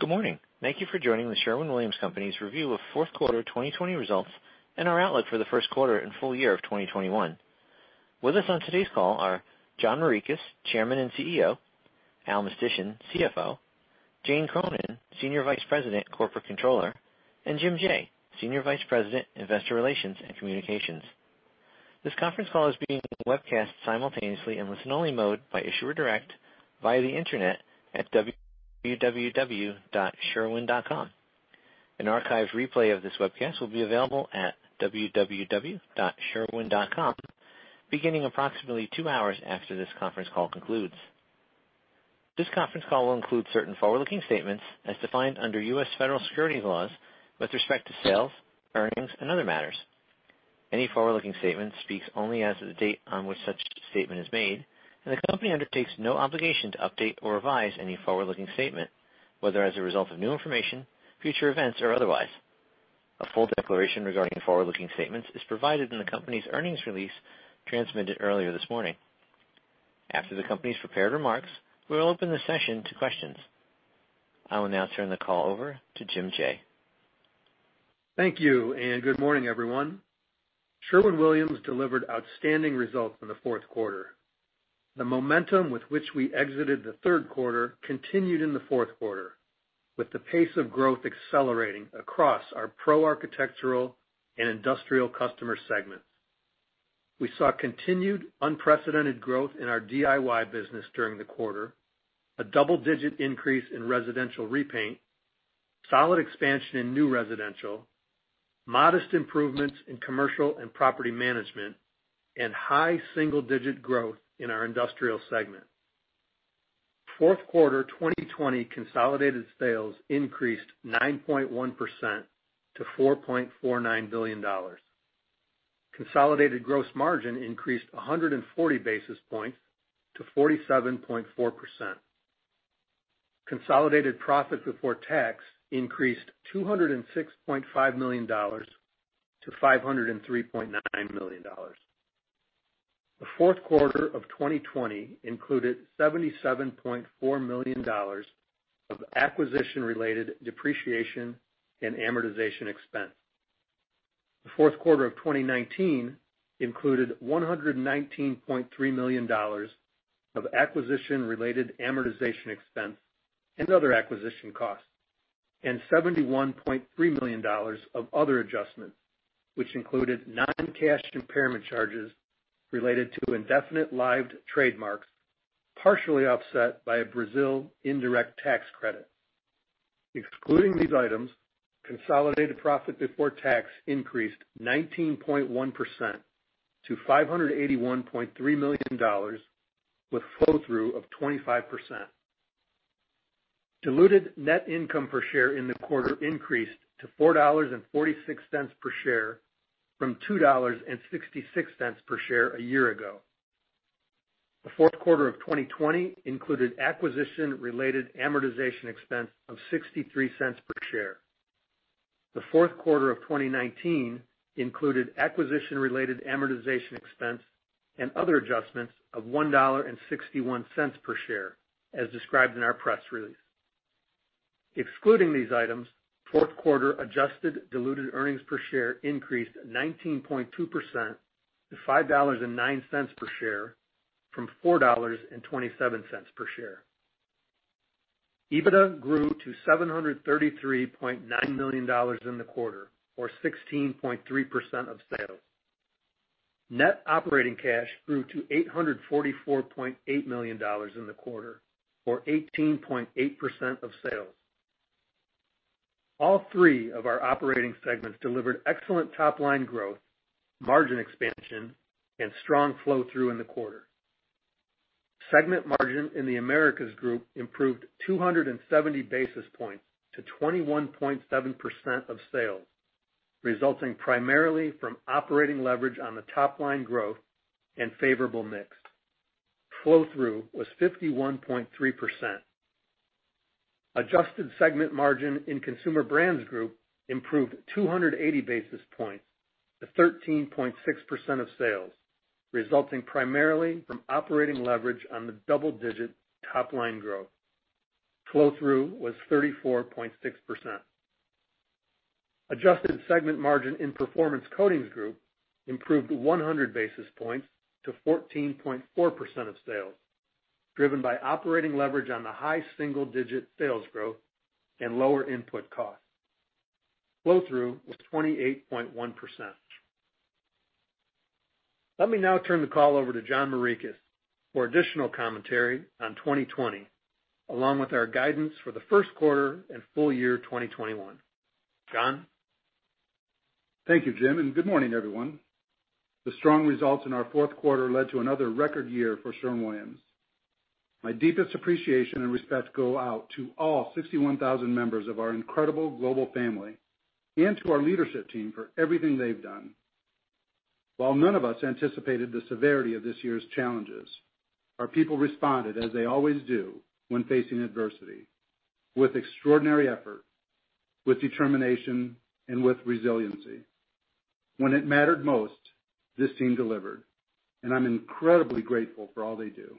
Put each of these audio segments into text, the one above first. Good morning, thank you for joining The Sherwin-Williams Company's Review of Fourth Quarter 2020 Results and our outlook for the first quarter and full year of 2021. With us on today's call are John Morikis, Chairman and CEO, Al Mistysyn, CFO, Jane Cronin, Senior Vice President, Corporate Controller, and Jim Jaye, Senior Vice President, Investor Relations and Communications. This conference call is being webcast simultaneously in listen-only mode by Issuer Direct via the internet at www.sherwin.com. An archived replay of this webcast will be available at www.sherwin.com beginning approximately two hours after this conference call concludes. This conference call will include certain forward-looking statements as defined under U.S. federal securities laws with respect to sales, earnings, and other matters. Any forward-looking statement speaks only as of the date on which such statement is made, and the company undertakes no obligation to update or revise any forward-looking statement, whether as a result of new information, future events, or otherwise. A full declaration regarding forward-looking statements is provided in the company's earnings release transmitted earlier this morning. After the company's prepared remarks, we will open the session to questions. I will now turn the call over to Jim Jaye. Thank you, and good morning, everyone. Sherwin-Williams delivered outstanding results in the fourth quarter. The momentum with which we exited the third quarter continued in the fourth quarter, with the pace of growth accelerating across our PRO architectural and industrial customer segments. We saw continued unprecedented growth in our DIY business during the quarter, a double-digit increase in residential repaint, solid expansion in new residential, modest improvements in commercial and property management, and high single-digit growth in our industrial segment. Fourth quarter 2020 consolidated sales increased 9.1% to $4.49 billion. Consolidated gross margin increased 140 basis points to 47.4%. Consolidated profit before tax increased $206.5 million-$503.9 million. The fourth quarter of 2020 included $77.4 million of acquisition-related depreciation and amortization expense. The fourth quarter of 2019 included $119.3 million of acquisition-related amortization expense and other acquisition costs, and $71.3 million of other adjustments, which included non-cash impairment charges related to indefinite lived trademarks, partially offset by a Brazil indirect tax credit. Excluding these items, consolidated profit before tax increased 19.1% to $581.3 million with flow-through of 25%. Diluted net income per share in the quarter increased to $4.46 per share from $2.66 per share a year ago. The fourth quarter of 2020 included acquisition-related amortization expense of $0.63 per share. The fourth quarter of 2019 included acquisition-related amortization expense and other adjustments of $1.61 per share, as described in our press release. Excluding these items, fourth quarter adjusted diluted earnings per share increased 19.2% to $5.09 per share from $4.27 per share. EBITDA grew to $733.9 million in the quarter, or 16.3% of sales. Net operating cash grew to $844.8 million in the quarter, or 18.8% of sales. All three of our operating segments delivered excellent top-line growth, margin expansion, and strong flow-through in the quarter. Segment margin in the Americas Group improved 270 basis points to 21.7% of sales, resulting primarily from operating leverage on the top-line growth and favorable mix. Flow-through was 51.3%. Adjusted segment margin in Consumer Brands Group improved 280 basis points to 13.6% of sales, resulting primarily from operating leverage on the double-digit top-line growth. Flow-through was 34.6%. Adjusted segment margin in Performance Coatings Group improved 100 basis points to 14.4% of sales, driven by operating leverage on the high single-digit sales growth and lower input costs. Flow-through was 28.1%. Let me now turn the call over to John Morikis for additional commentary on 2020, along with our guidance for the first quarter and full year 2021, John? Thank you, Jim, and good morning, everyone. The strong results in our fourth quarter led to another record year for Sherwin-Williams. My deepest appreciation and respect go out to all 61,000 members of our incredible global family and to our leadership team for everything they've done. While none of us anticipated the severity of this year's challenges, our people responded as they always do when facing adversity. With extraordinary effort, with determination, and with resiliency. When it mattered most, this team delivered, and I'm incredibly grateful for all they do.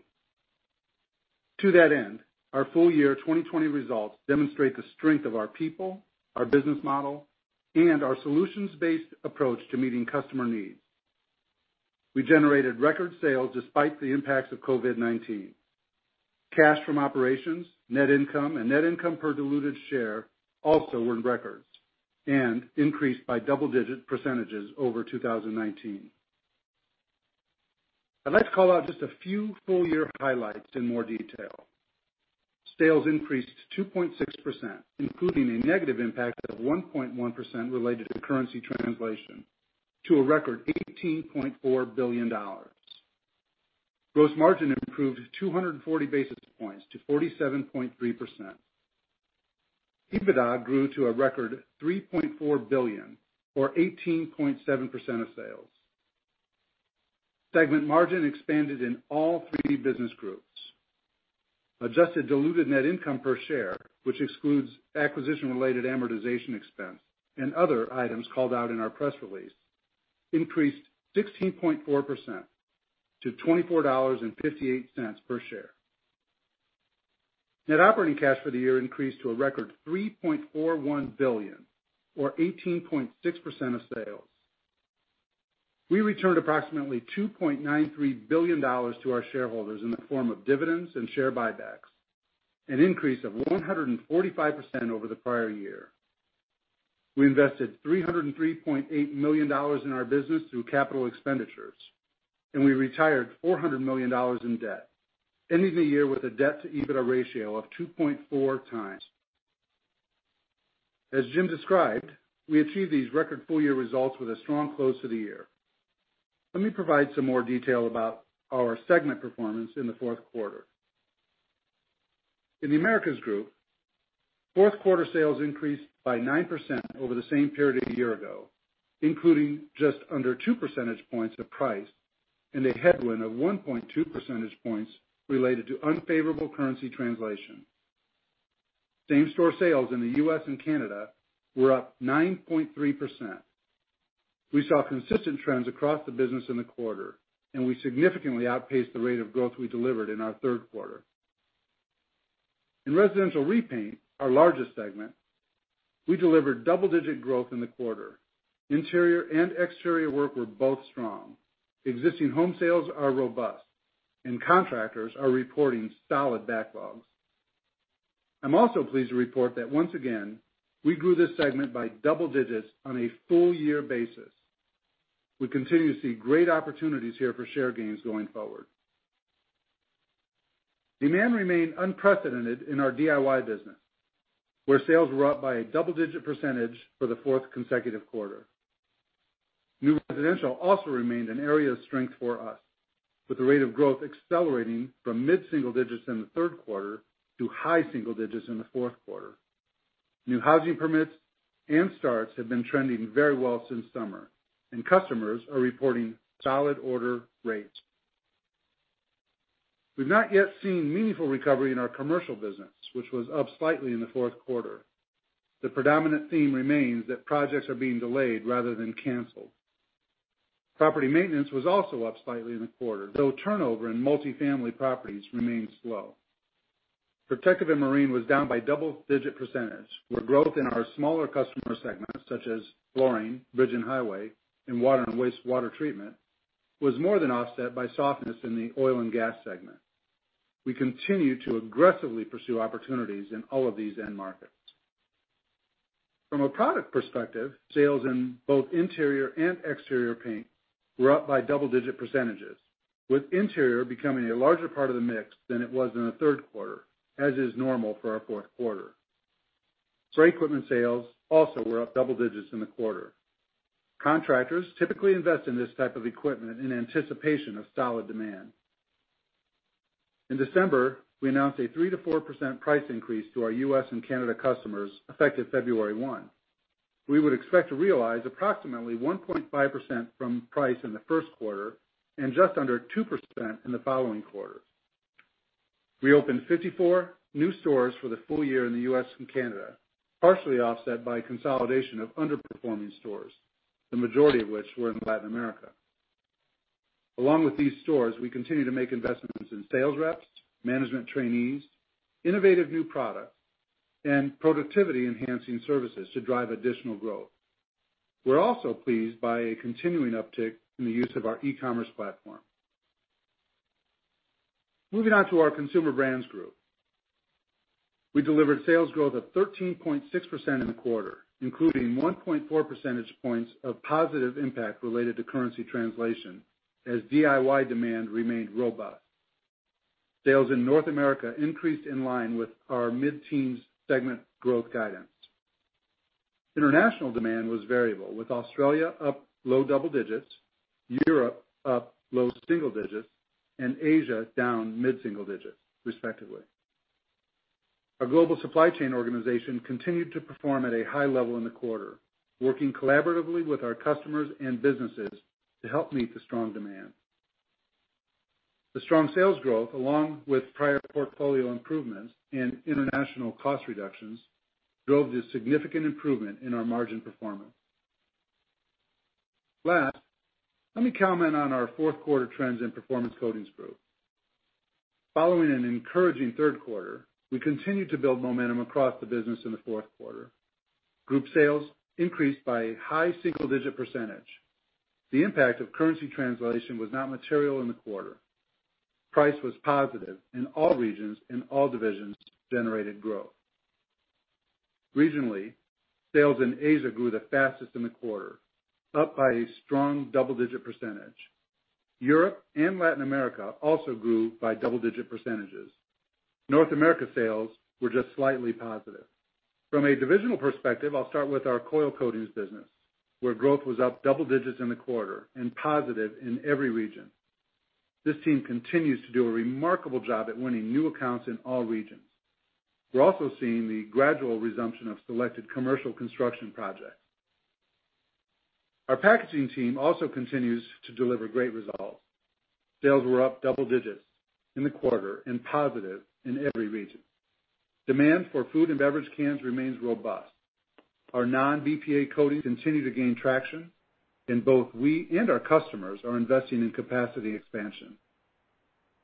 To that end, our full year 2020 results demonstrate the strength of our people, our business model, and our solutions-based approach to meeting customer needs. We generated record sales despite the impacts of COVID-19. Cash from operations, net income, and net income per diluted share also were records and increased by double-digit percentages over 2019. I'd like to call out just a few full-year highlights in more detail. Sales increased 2.6%, including a negative impact of 1.1% related to currency translation, to a record $18.4 billion. Gross margin improved 240 basis points to 47.3%. EBITDA grew to a record $3.4 billion, or 18.7% of sales. Segment margin expanded in all three business groups. Adjusted diluted net income per share, which excludes acquisition-related amortization expense and other items called out in our press release, increased 16.4% to $24.58 per share. Net operating cash for the year increased to a record $3.41 billion, or 18.6% of sales. We returned approximately $2.93 billion to our shareholders in the form of dividends and share buybacks, an increase of 145% over the prior year. We invested $303.8 million in our business through capital expenditures, and we retired $400 million in debt, ending the year with a debt-to-EBITDA ratio of 2.4x. As Jim described, we achieved these record full-year results with a strong close to the year. Let me provide some more detail about our segment performance in the fourth quarter. In the Americas Group, fourth quarter sales increased by 9% over the same period a year ago, including just under 2 percentage points of price and a headwind of 1.2 percentage points related to unfavorable currency translation. Same-store sales in the U.S. and Canada were up 9.3%. We saw consistent trends across the business in the quarter, and we significantly outpaced the rate of growth we delivered in our third quarter. In Residential Repaint, our largest segment, we delivered double-digit growth in the quarter. Interior and exterior work were both strong. Existing home sales are robust, and contractors are reporting solid backlogs. I'm also pleased to report that once again, we grew this segment by double digits on a full year basis. We continue to see great opportunities here for share gains going forward. Demand remained unprecedented in our DIY business, where sales were up by a double-digit percentage for the fourth consecutive quarter. New residential also remained an area of strength for us, with the rate of growth accelerating from mid-single digits in the third quarter to high single-digits in the fourth quarter. New housing permits and starts have been trending very well since summer, and customers are reporting solid order rates. We've not yet seen meaningful recovery in our commercial business, which was up slightly in the fourth quarter. The predominant theme remains that projects are being delayed rather than canceled. Property maintenance was also up slightly in the quarter, though turnover in multi-family properties remains slow. Protective and Marine was down by double-digit percentage, where growth in our smaller customer segments, such as flooring, bridge and highway, and water and wastewater treatment, was more than offset by softness in the oil and gas segment. We continue to aggressively pursue opportunities in all of these end markets. From a product perspective, sales in both interior and exterior paint were up by double-digit percentages, with interior becoming a larger part of the mix than it was in the third quarter, as is normal for our fourth quarter. Spray equipment sales also were up double digits in the quarter. Contractors typically invest in this type of equipment in anticipation of solid demand. In December, we announced a 3%-4% price increase to our U.S. and Canada customers, effective February one. We would expect to realize approximately 1.5% from price in the first quarter and just under 2% in the following quarter. We opened 54 new stores for the full year in the U.S. and Canada, partially offset by consolidation of underperforming stores, the majority of which were in Latin America. Along with these stores, we continue to make investments in sales reps, management trainees, innovative new product, and productivity-enhancing services to drive additional growth. We're also pleased by a continuing uptick in the use of our e-commerce platform. Moving on to our Consumer Brands Group. We delivered sales growth of 13.6% in the quarter, including 1.4 percentage points of positive impact related to currency translation, as DIY demand remained robust. Sales in North America increased in line with our mid-teens segment growth guidance. International demand was variable, with Australia up low double-digits, Europe up low-single digits, and Asia down mid-single digits, respectively. Our global supply chain organization continued to perform at a high level in the quarter, working collaboratively with our customers and businesses to help meet the strong demand. The strong sales growth, along with prior portfolio improvements and international cost reductions, drove this significant improvement in our margin performance. Let me comment on our fourth quarter trends in Performance Coatings Group. Following an encouraging third quarter, we continued to build momentum across the business in the fourth quarter. Group sales increased by a high single-digit percentage. The impact of currency translation was not material in the quarter. Price was positive in all regions. All divisions generated growth. Regionally, sales in Asia grew the fastest in the quarter, up by a strong double-digit percentage. Europe and Latin America also grew by double-digit percentages. North America sales were just slightly positive. From a divisional perspective, I'll start with our Coil Coatings business, where growth was up double digits in the quarter and positive in every region. This team continues to do a remarkable job at winning new accounts in all regions. We're also seeing the gradual resumption of selected commercial construction projects. Our packaging team also continues to deliver great results. Sales were up double digits in the quarter and positive in every region. Demand for food and beverage cans remains robust. Our non-BPA coatings continue to gain traction, and both we and our customers are investing in capacity expansion.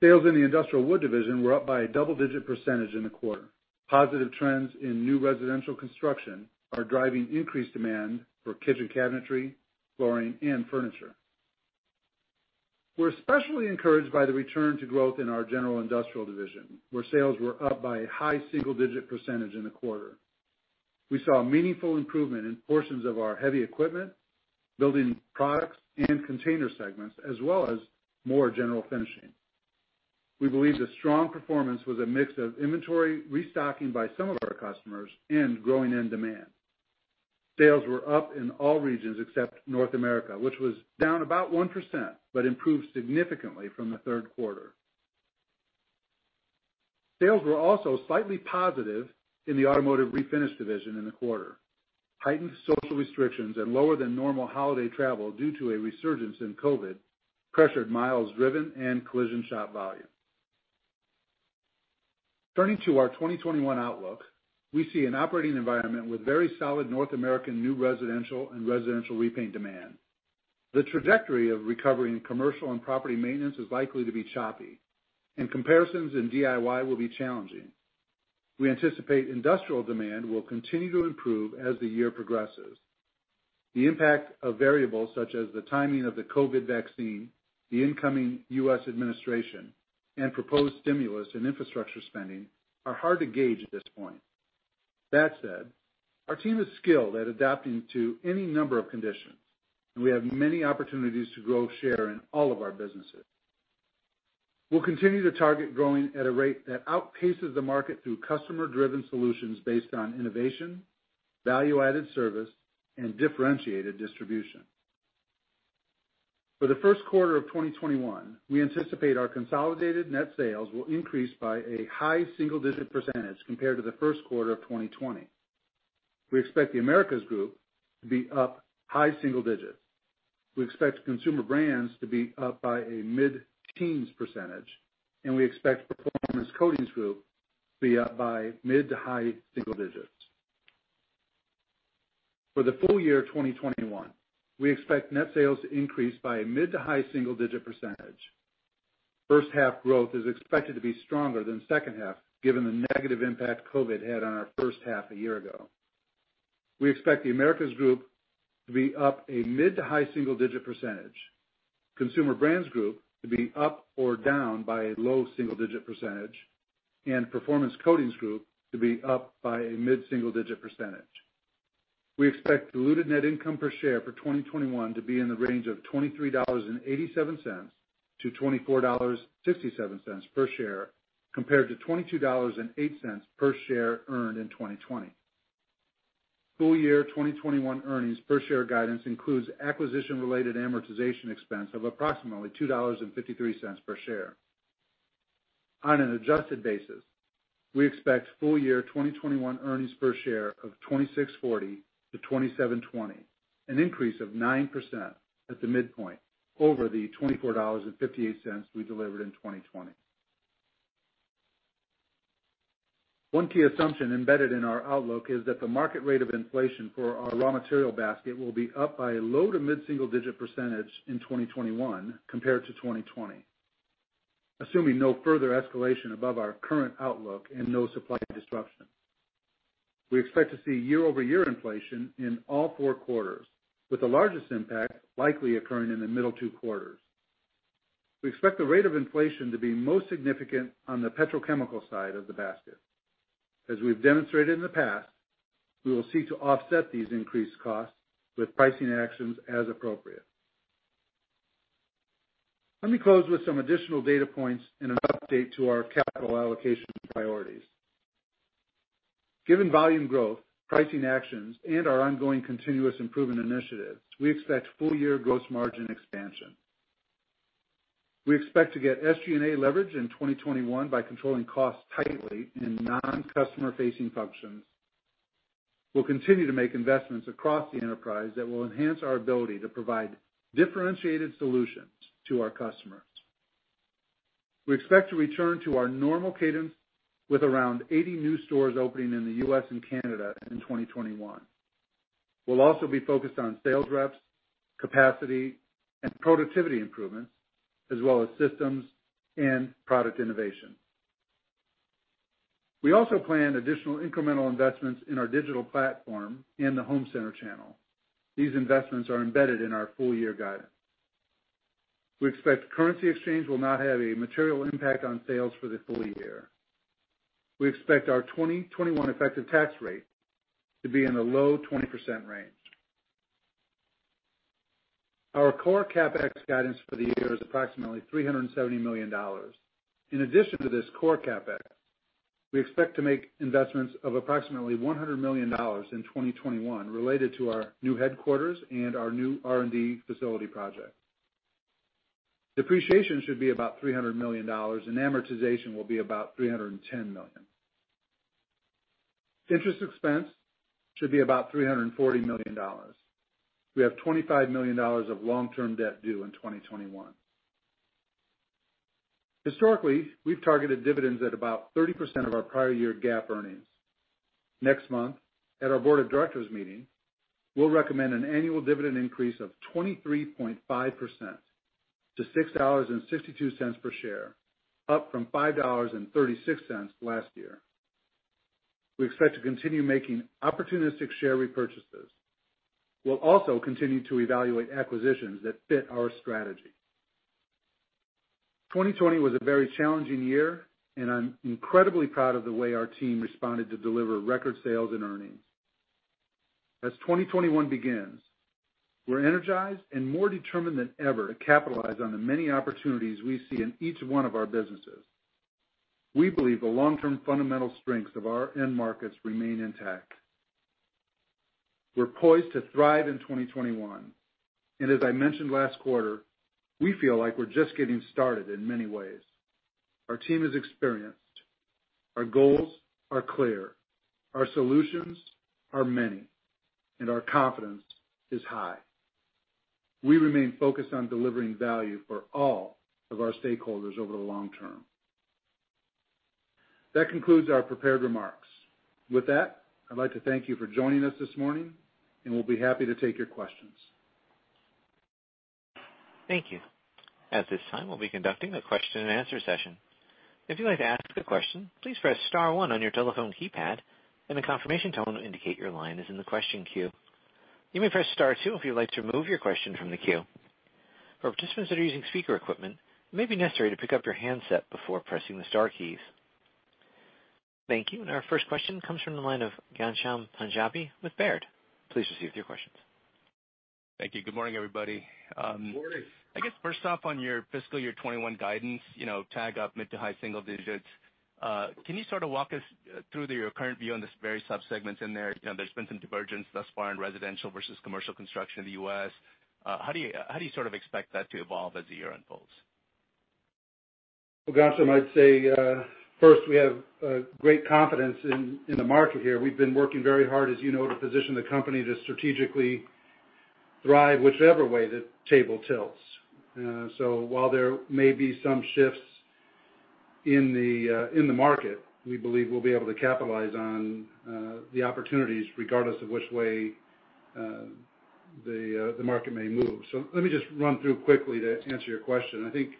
Sales in the Industrial Wood division were up by a double-digit percentage in the quarter. Positive trends in new residential construction are driving increased demand for kitchen cabinetry, flooring, and furniture. We're especially encouraged by the return to growth in our General Industrial Division, where sales were up by a high single-digit percentage in the quarter. We saw a meaningful improvement in portions of our heavy equipment, building products, and container segments, as well as more general finishing. We believe the strong performance was a mix of inventory restocking by some of our customers and growing end demand. Sales were up in all regions except North America, which was down about 1% but improved significantly from the third quarter. Sales were also slightly positive in the Automotive Refinish Division in the quarter. Heightened social restrictions and lower than normal holiday travel due to a resurgence in COVID pressured miles driven and collision shop volume. Turning to our 2021 outlook, we see an operating environment with very solid North American new residential and residential repaint demand. The trajectory of recovering commercial and property maintenance is likely to be choppy, and comparisons in DIY will be challenging. We anticipate industrial demand will continue to improve as the year progresses. The impact of variables such as the timing of the COVID-19 vaccine, the incoming U.S. administration, and proposed stimulus and infrastructure spending are hard to gauge at this point. Our team is skilled at adapting to any number of conditions, and we have many opportunities to grow share in all of our businesses. We'll continue to target growing at a rate that outpaces the market through customer-driven solutions based on innovation, value-added service, and differentiated distribution. For the first quarter of 2021, we anticipate our consolidated net sales will increase by a high single-digit percentage compared to the first quarter of 2020. We expect the Americas Group to be up high single-digits. We expect Consumer Brands to be up by a mid-teens percentage, and we expect Performance Coatings Group to be up by mid-to-high single-digits. For the full year 2021, we expect net sales to increase by a mid-to-high single-digit percentage. First half growth is expected to be stronger than second half, given the negative impact COVID had on our first half a year ago. We expect the Americas Group to be up a mid to high single-digit percentage, Consumer Brands Group to be up or down by a low single-digit percentage, and Performance Coatings Group to be up by a mid single-digit percentage. We expect diluted net income per share for 2021 to be in the range of $23.87-$24.57 per share, compared to $22.08 per share earned in 2020. Full year 2021 earnings per share guidance includes acquisition-related amortization expense of approximately $2.53 per share. On an adjusted basis, we expect full year 2021 earnings per share of $26.40-$27.20, an increase of 9% at the midpoint over the $24.58 we delivered in 2020. One key assumption embedded in our outlook is that the market rate of inflation for our raw material basket will be up by a low-to-mid single-digit percentage in 2021 compared to 2020, assuming no further escalation above our current outlook and no supply disruption. We expect to see year-over-year inflation in all four quarters, with the largest impact likely occurring in the middle two quarters. We expect the rate of inflation to be most significant on the petrochemical side of the basket. As we've demonstrated in the past, we will seek to offset these increased costs with pricing actions as appropriate. Let me close with some additional data points and an update to our capital allocation priorities. Given volume growth, pricing actions, and our ongoing continuous improvement initiatives, we expect full-year gross margin expansion. We expect to get SG&A leverage in 2021 by controlling costs tightly in non-customer-facing functions. We'll continue to make investments across the enterprise that will enhance our ability to provide differentiated solutions to our customers. We expect to return to our normal cadence with around 80 new stores opening in the U.S. and Canada in 2021. We'll also be focused on sales reps, capacity, and productivity improvements, as well as systems and product innovation. We also plan additional incremental investments in our digital platform in the home center channel. These investments are embedded in our full-year guidance. We expect currency exchange will not have a material impact on sales for the full year. We expect our 2021 effective tax rate to be in the low 20% range. Our core CapEx guidance for the year is approximately $370 million. In addition to this core CapEx, we expect to make investments of approximately $100 million in 2021 related to our new headquarters and our new R&D facility project. Depreciation should be about $300 million. Amortization will be about $310 million. Interest expense should be about $340 million. We have $25 million of long-term debt due in 2021. Historically, we've targeted dividends at about 30% of our prior-year GAAP earnings. Next month, at our board of directors meeting, we'll recommend an annual dividend increase of 23.5% to $6.62 per share, up from $5.36 last year. We expect to continue making opportunistic share repurchases. We'll also continue to evaluate acquisitions that fit our strategy. 2020 was a very challenging year. I'm incredibly proud of the way our team responded to deliver record sales and earnings. As 2021 begins, we're energized and more determined than ever to capitalize on the many opportunities we see in each one of our businesses. We believe the long-term fundamental strengths of our end markets remain intact. We're poised to thrive in 2021. As I mentioned last quarter, we feel like we're just getting started in many ways. Our team is experienced, our goals are clear, our solutions are many, and our confidence is high. We remain focused on delivering value for all of our stakeholders over the long term. That concludes our prepared remarks. With that, I'd like to thank you for joining us this morning, and we'll be happy to take your questions. Thank you, at this time, we'll be conducting a question-and-answer session. If you'd like to ask a question, please press star one on your telephone keypad, and a confirmation tone will indicate your line is in the question queue. You may press star two if you'd like to remove your question from the queue. For participants that are using speaker equipment, it may be necessary to pick up your handset before pressing the star keys. Thank you, our first question comes from the line of Ghansham Panjabi with Baird. Please proceed with your questions. Thank you, good morning, everybody. Morning. I guess first off, on your fiscal year 2021 guidance, TAG up mid-to-high single-digits. Can you sort of walk us through your current view on the various subsegments in there? There's been some divergence thus far in residential versus commercial construction in the U.S. How do you sort of expect that to evolve as the year unfolds? Well, Ghansham, I'd say, first, we have great confidence in the market here. We've been working very hard, as you know, to position the company to strategically thrive whichever way the table tilts. While there may be some shifts in the market, we believe we'll be able to capitalize on the opportunities regardless of which way the market may move. Let me just run through quickly to answer your question. I think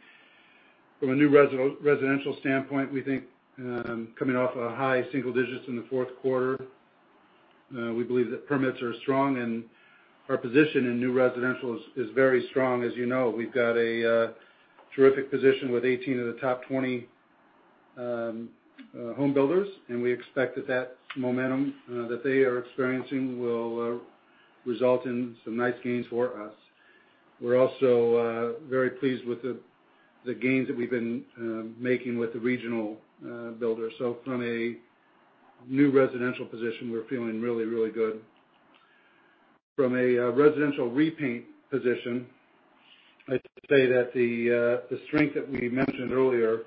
from a new residential standpoint, we think coming off of high single-digits in the fourth quarter, we believe that permits are strong and our position in new residential is very strong. As you know, we've got a terrific position with 18 of the top 20 home builders, and we expect that that momentum that they are experiencing will result in some nice gains for us. We're also very pleased with the gains that we've been making with the regional builders. From a new residential position, we're feeling really, really good. From a residential repaint position, I'd say that the strength that we mentioned earlier,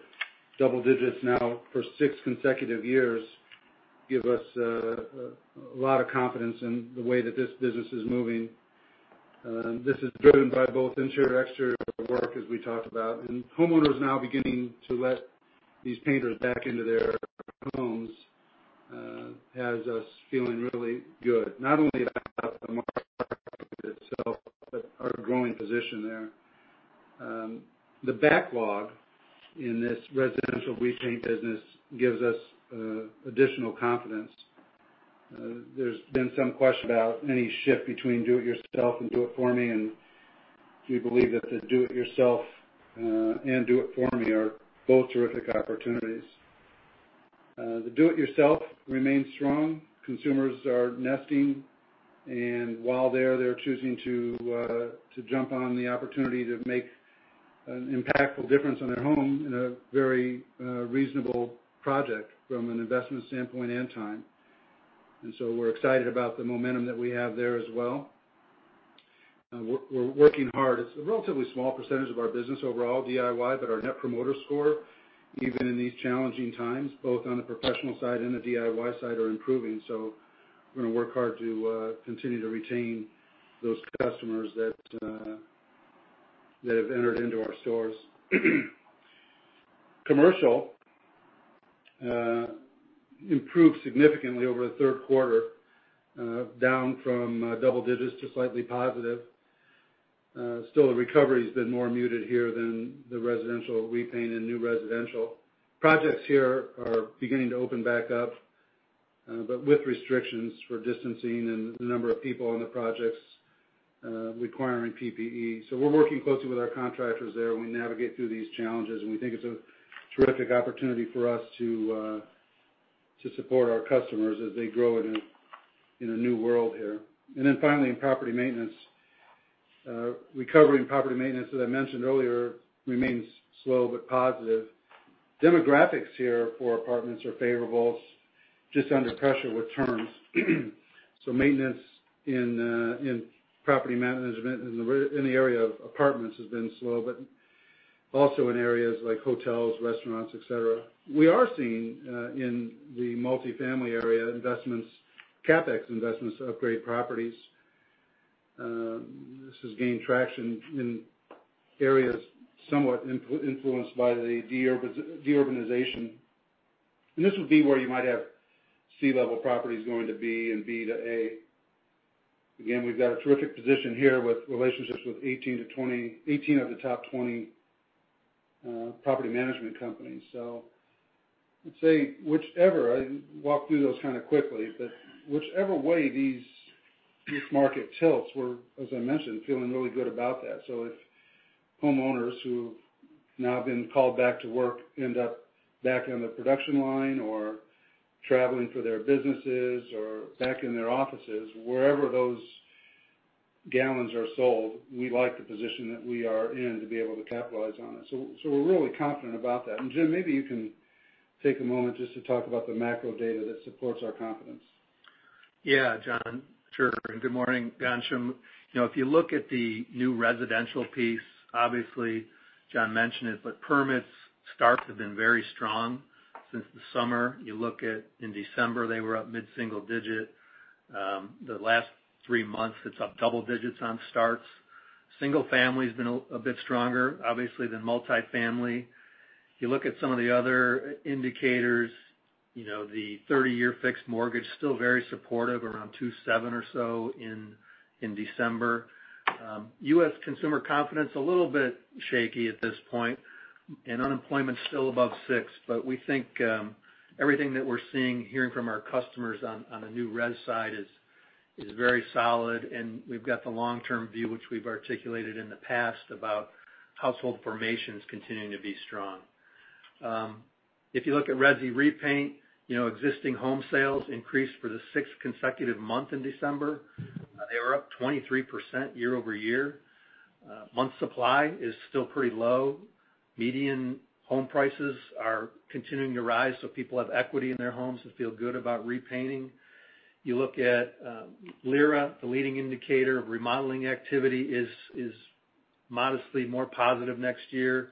double digits now for six consecutive years, give us a lot of confidence in the way that this business is moving. This is driven by both interior, exterior work, as we talked about. Homeowners now beginning to let these painters back into their homes has us feeling really good, not only about the market itself, but our growing position there. The backlog in this residential repaint business gives us additional confidence. There's been some question about any shift between do it yourself and do it for me, and we believe that the do it yourself and do it for me are both terrific opportunities. The do it yourself remains strong. Consumers are nesting, and while there, they're choosing to jump on the opportunity to make an impactful difference in their home in a very reasonable project from an investment standpoint and time. We're excited about the momentum that we have there as well. We're working hard. It's a relatively small percentage of our business overall, DIY, but our Net Promoter Score, even in these challenging times, both on the professional side and the DIY side, are improving. We're going to work hard to continue to retain those customers that have entered into our stores. Commercial improved significantly over the third quarter, down from double digits to slightly positive. Still, the recovery's been more muted here than the residential repaint and new residential. Projects here are beginning to open back up, but with restrictions for distancing and the number of people on the projects requiring PPE. We're working closely with our contractors there, and we navigate through these challenges, and we think it's a terrific opportunity for us to support our customers as they grow in a new world here. Finally, in property maintenance. Recovery in property maintenance, as I mentioned earlier, remains slow but positive. Demographics here for apartments are favorable, just under pressure with terms. Maintenance in property management in the area of apartments has been slow, but also in areas like hotels, restaurants, et cetera. We are seeing, in the multifamily area, investments, CapEx investments to upgrade properties. This has gained traction in areas somewhat influenced by the deurbanization. This would be where you might have C-level properties going to B and B to A. We've got a terrific position here with relationships with 18 of the top 20 property management companies. I would say whichever way this market tilts, we're, as I mentioned, feeling really good about that. If homeowners who've now been called back to work end up back on the production line or traveling for their businesses or back in their offices, wherever those gallons are sold, we like the position that we are in to be able to capitalize on it. We're really confident about that. Jim, maybe you can take a moment just to talk about the macro data that supports our confidence. Yeah, John, sure. Good morning, Ghansham, if you look at the new residential piece, obviously John mentioned it, but permits starts have been very strong since the summer. You look at in December, they were up mid-single digit. The last three months it's up double digits on starts. Single family's been a bit stronger, obviously, than multifamily. You look at some of the other indicators, the 30-year fixed mortgage, still very supportive, around 2.7% or so in December. U.S. consumer confidence, a little bit shaky at this point, and unemployment's still above six, but we think everything that we're seeing, hearing from our customers on the new resi side is very solid, and we've got the long-term view, which we've articulated in the past, about household formations continuing to be strong. If you look at resi repaint, existing home sales increased for the sixth consecutive month in December. They were up 23% year-over-year. Month supply is still pretty low. Median home prices are continuing to rise, so people have equity in their homes and feel good about repainting. You look at LIRA, the leading indicator of remodeling activity is modestly more positive next year.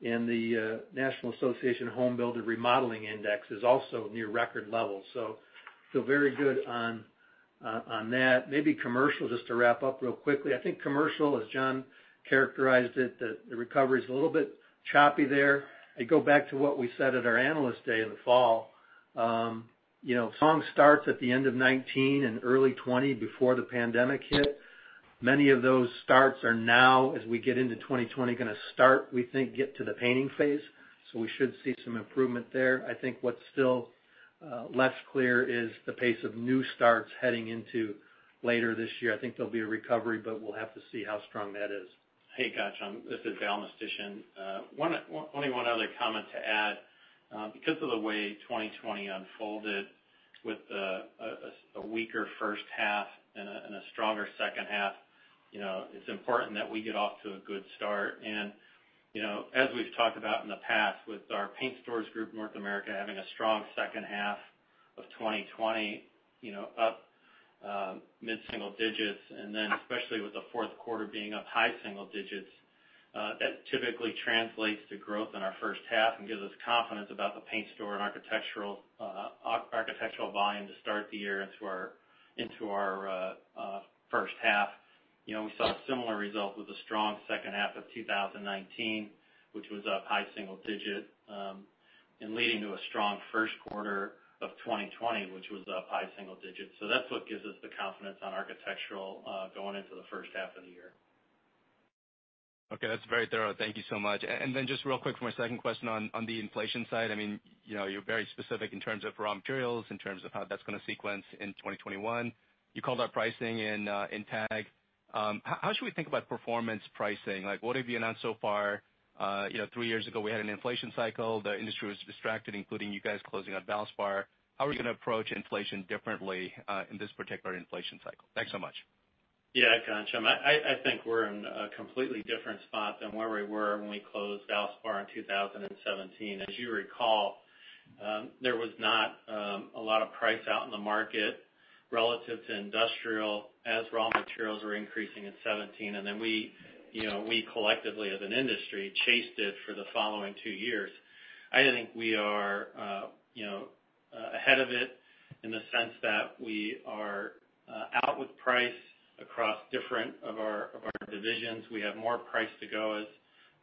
The National Association of Home Builders Remodeling Index is also near record levels. Feel very good on that. Maybe commercial, just to wrap up real quickly. I think commercial, as John characterized it, the recovery's a little bit choppy there. I go back to what we said at our Analyst Day in the fall. Strong starts at the end of 2019 and early 2020, before the pandemic hit. Many of those starts are now, as we get into 2020, going to, we think, get to the painting phase. We should see some improvement there. I think what's still less clear is the pace of new starts heading into later this year. I think there'll be a recovery, but we'll have to see how strong that is. Hey, Ghansham, this is Al Mistysyn. Only one other comment to add. Because of the way 2020 unfolded, with a weaker first half and a stronger second half, it's important that we get off to a good start. As we've talked about in the past with our Paint Stores Group North America having a strong second half of 2020, up mid-single digits and especially with the fourth quarter being up high single-digits, that typically translates to growth in our first half and gives us confidence about the paint store and architectural volume to start the year into our first half. We saw a similar result with the strong second half of 2019, which was up high single-digit, and leading to a strong first quarter of 2020, which was up high single-digits. That's what gives us the confidence on architectural going into the first half of the year. Okay, that's very thorough. Thank you so much, and then just real quick for my second question on the inflation side. You're very specific in terms of raw materials, in terms of how that's going to sequence in 2021. You called out pricing in TAG. How should we think about performance pricing? What have you announced so far? Three years ago we had an inflation cycle. The industry was distracted, including you guys closing on Valspar. How are we going to approach inflation differently in this particular inflation cycle? Thanks so much. Yeah, Ghansham. I think we're in a completely different spot than where we were when we closed Valspar in 2017. As you recall, there was not a lot of price out in the market relative to industrial, as raw materials were increasing in 2017, then we collectively as an industry, chased it for the following two years. I think we are ahead of it in the sense that we are out with price across different of our divisions. We have more price to go, as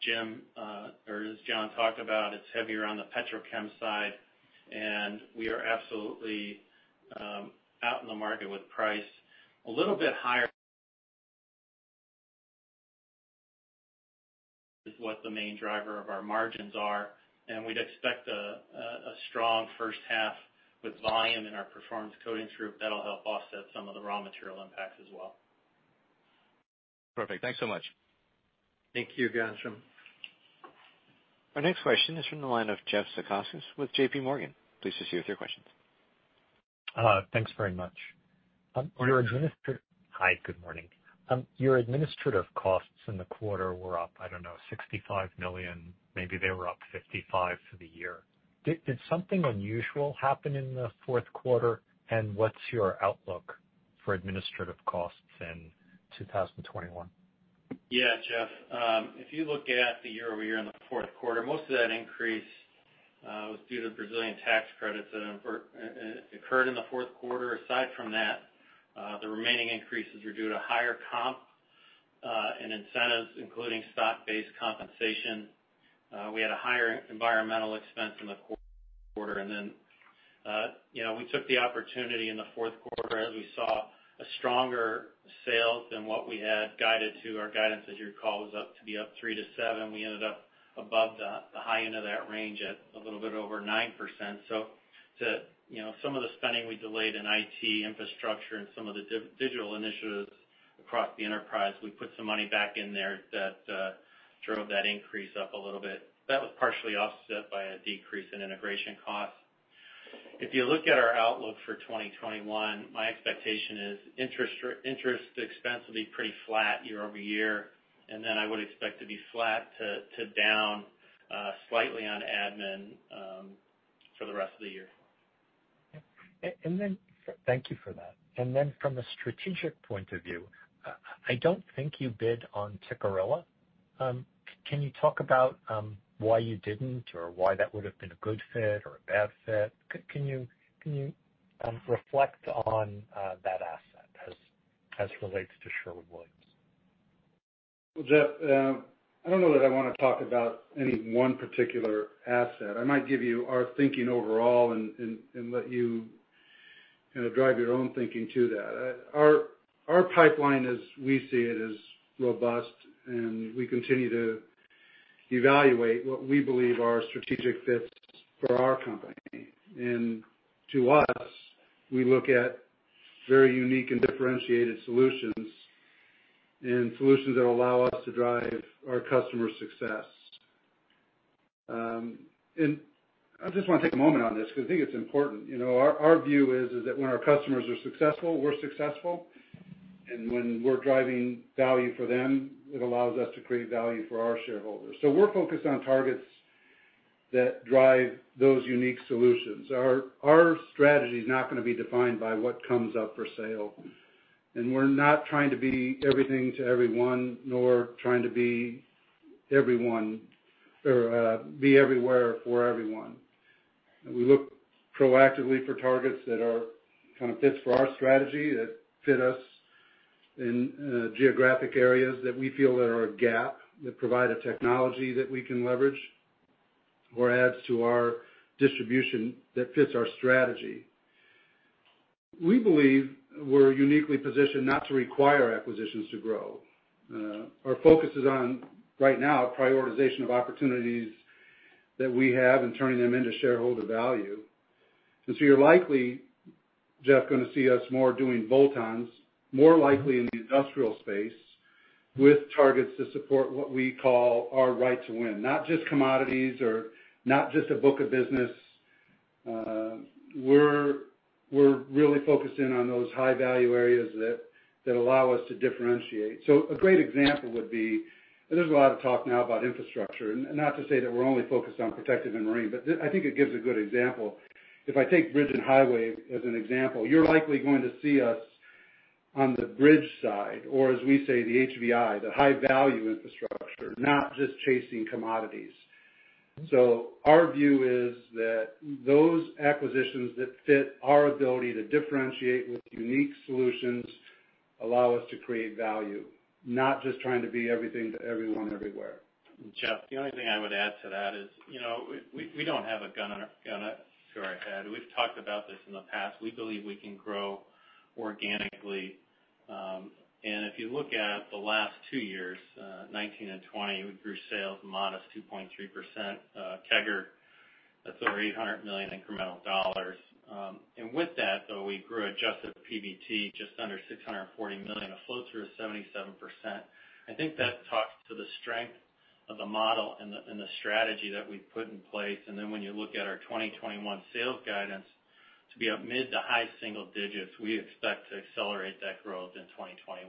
John talked about. It's heavier on the petrochem side, we are absolutely out in the market with price. A little bit higher is what the main driver of our margins are, we'd expect a strong first half with volume in our Performance Coatings Group that'll help offset some of the raw material impacts as well. Perfect, thanks so much. Thank you, Ghansham. Our next question is from the line of Jeff Zekauskas with J.P. Morgan, please proceed with your questions. Thanks very much. Morning. Hi, good morning. Your administrative costs in the quarter were up, I don't know, $65 million. Maybe they were up $55 million for the year. Did something unusual happen in the fourth quarter? What's your outlook for administrative costs in 2021? Yeah, Jeff. If you look at the year-over-year in the fourth quarter, most of that increase was due to Brazilian tax credits that occurred in the fourth quarter. Aside from that, the remaining increases were due to higher comp and incentives, including stock-based compensation. We had a higher environmental expense in the quarter. We took the opportunity in the fourth quarter as we saw a stronger sale than what we had guided to. Our guidance, as you recall, was up to be up 3%-7%. We ended up above the high end of that range at a little bit over 9%. Some of the spending we delayed in IT infrastructure and some of the digital initiatives across the enterprise. We put some money back in there that drove that increase up a little bit. That was partially offset by a decrease in integration costs. If you look at our outlook for 2021, my expectation is interest expense will be pretty flat year-over-year, and then I would expect to be flat to down slightly on admin for the rest of the year. Thank you for that. From a strategic point of view, I don't think you bid on Tikkurila. Can you talk about why you didn't or why that would have been a good fit or a bad fit? Can you reflect on that asset as relates to Sherwin-Williams? Jeff, I don't know that I want to talk about any one particular asset. I might give you our thinking overall and let you drive your own thinking to that. Our pipeline as we see it is robust; we continue to evaluate what we believe are strategic fits for our company. To us, we look at very unique and differentiated solutions and solutions that allow us to drive our customers' success. I just want to take a moment on this because I think it's important. Our view is that when our customers are successful, we're successful. When we're driving value for them, it allows us to create value for our shareholders. We're focused on targets that drive those unique solutions. Our strategy is not going to be defined by what comes up for sale. We're not trying to be everything to everyone, nor trying to be everywhere for everyone. We look proactively for targets that kind of fits for our strategy, that fit us in geographic areas that we feel that are a gap, that provide a technology that we can leverage or adds to our distribution that fits our strategy. We believe we're uniquely positioned not to require acquisitions to grow. Our focus is on, right now, prioritization of opportunities that we have and turning them into shareholder value. So, you're likely, Jeff, going to see us more doing bolt-ons, more likely in the industrial space with targets to support what we call our right to win, not just commodities or not just a book of business. We're really focusing on those high-value areas that allow us to differentiate. A great example would be, there's a lot of talk now about infrastructure, and not to say that we're only focused on protective and marine, but I think it gives a good example. If I take bridge and highway as an example, you're likely going to see us on the bridge side, or as we say, the HVI, the high value infrastructure, not just chasing commodities. Our view is that those acquisitions that fit our ability to differentiate with unique solutions allow us to create value, not just trying to be everything to everyone everywhere. Jeff, the only thing I would add to that is, we don't have a gun to our head. We've talked about this in the past. We believe we can grow organically. If you look at the last two years, 2019 and 2020, we grew sales a modest 2.3% CAGR. That's over $800 million incremental dollars. With that, though, we grew adjusted PBT just under $640 million, a flow through of 77%. I think that talks to the strength of the model and the strategy that we've put in place. Then when you look at our 2021 sales guidance to be up mid-to-high single-digits, we expect to accelerate that growth in 2021.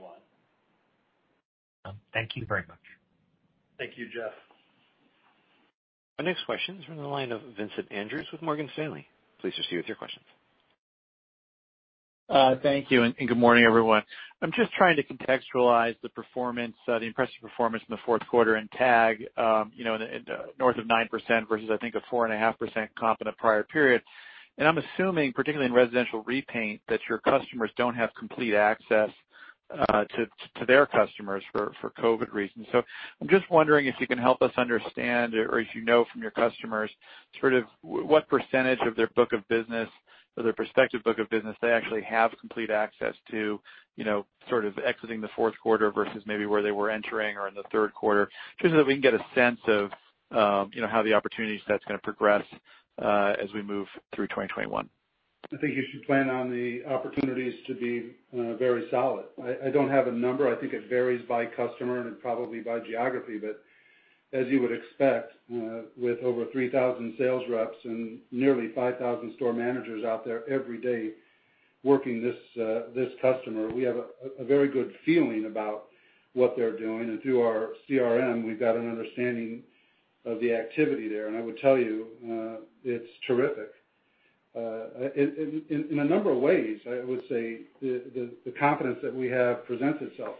Thank you very much. Thank you, Jeff. Our next question is from the line of Vincent Andrews with Morgan Stanley, please proceed with your questions. Thank you, and good morning, everyone. I'm just trying to contextualize the impressive performance in the fourth quarter in TAG, north of 9% versus I think a 4.5% comp in the prior period. I'm assuming, particularly in residential repaint, that your customers don't have complete access to their customers for COVID-19 reasons. I'm just wondering if you can help us understand, or if you know from your customers, what percentage of their book of business, or their prospective book of business, they actually have complete access to, exiting the fourth quarter versus maybe where they were entering or in the third quarter, just so that we can get a sense of how the opportunity set's going to progress as we move through 2021. I think you should plan on the opportunities to be very solid. I don't have a number. I think it varies by customer and probably by geography. As you would expect, with over 3,000 sales reps and nearly 5,000 store managers out there every day working this customer, we have a very good feeling about what they're doing. Through our CRM, we've got an understanding of the activity there, and I would tell you, it's terrific. In a number of ways, I would say the confidence that we have presents itself.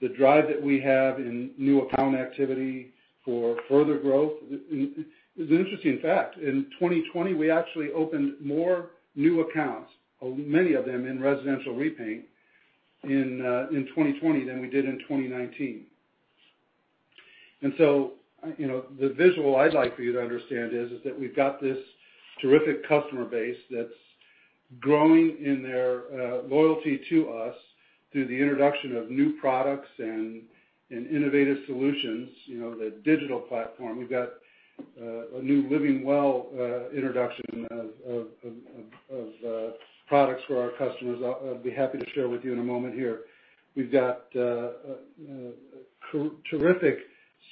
The drive that we have in new account activity for further growth. It's an interesting fact. In 2020, we actually opened more new accounts, many of them in residential repaint, in 2020 than we did in 2019. The visual I'd like for you to understand is that we've got this terrific customer base that's growing in their loyalty to us through the introduction of new products and innovative solutions, the digital platform. We've got a new Living Well introduction of products for our customers I'll be happy to share with you in a moment here. We've got terrific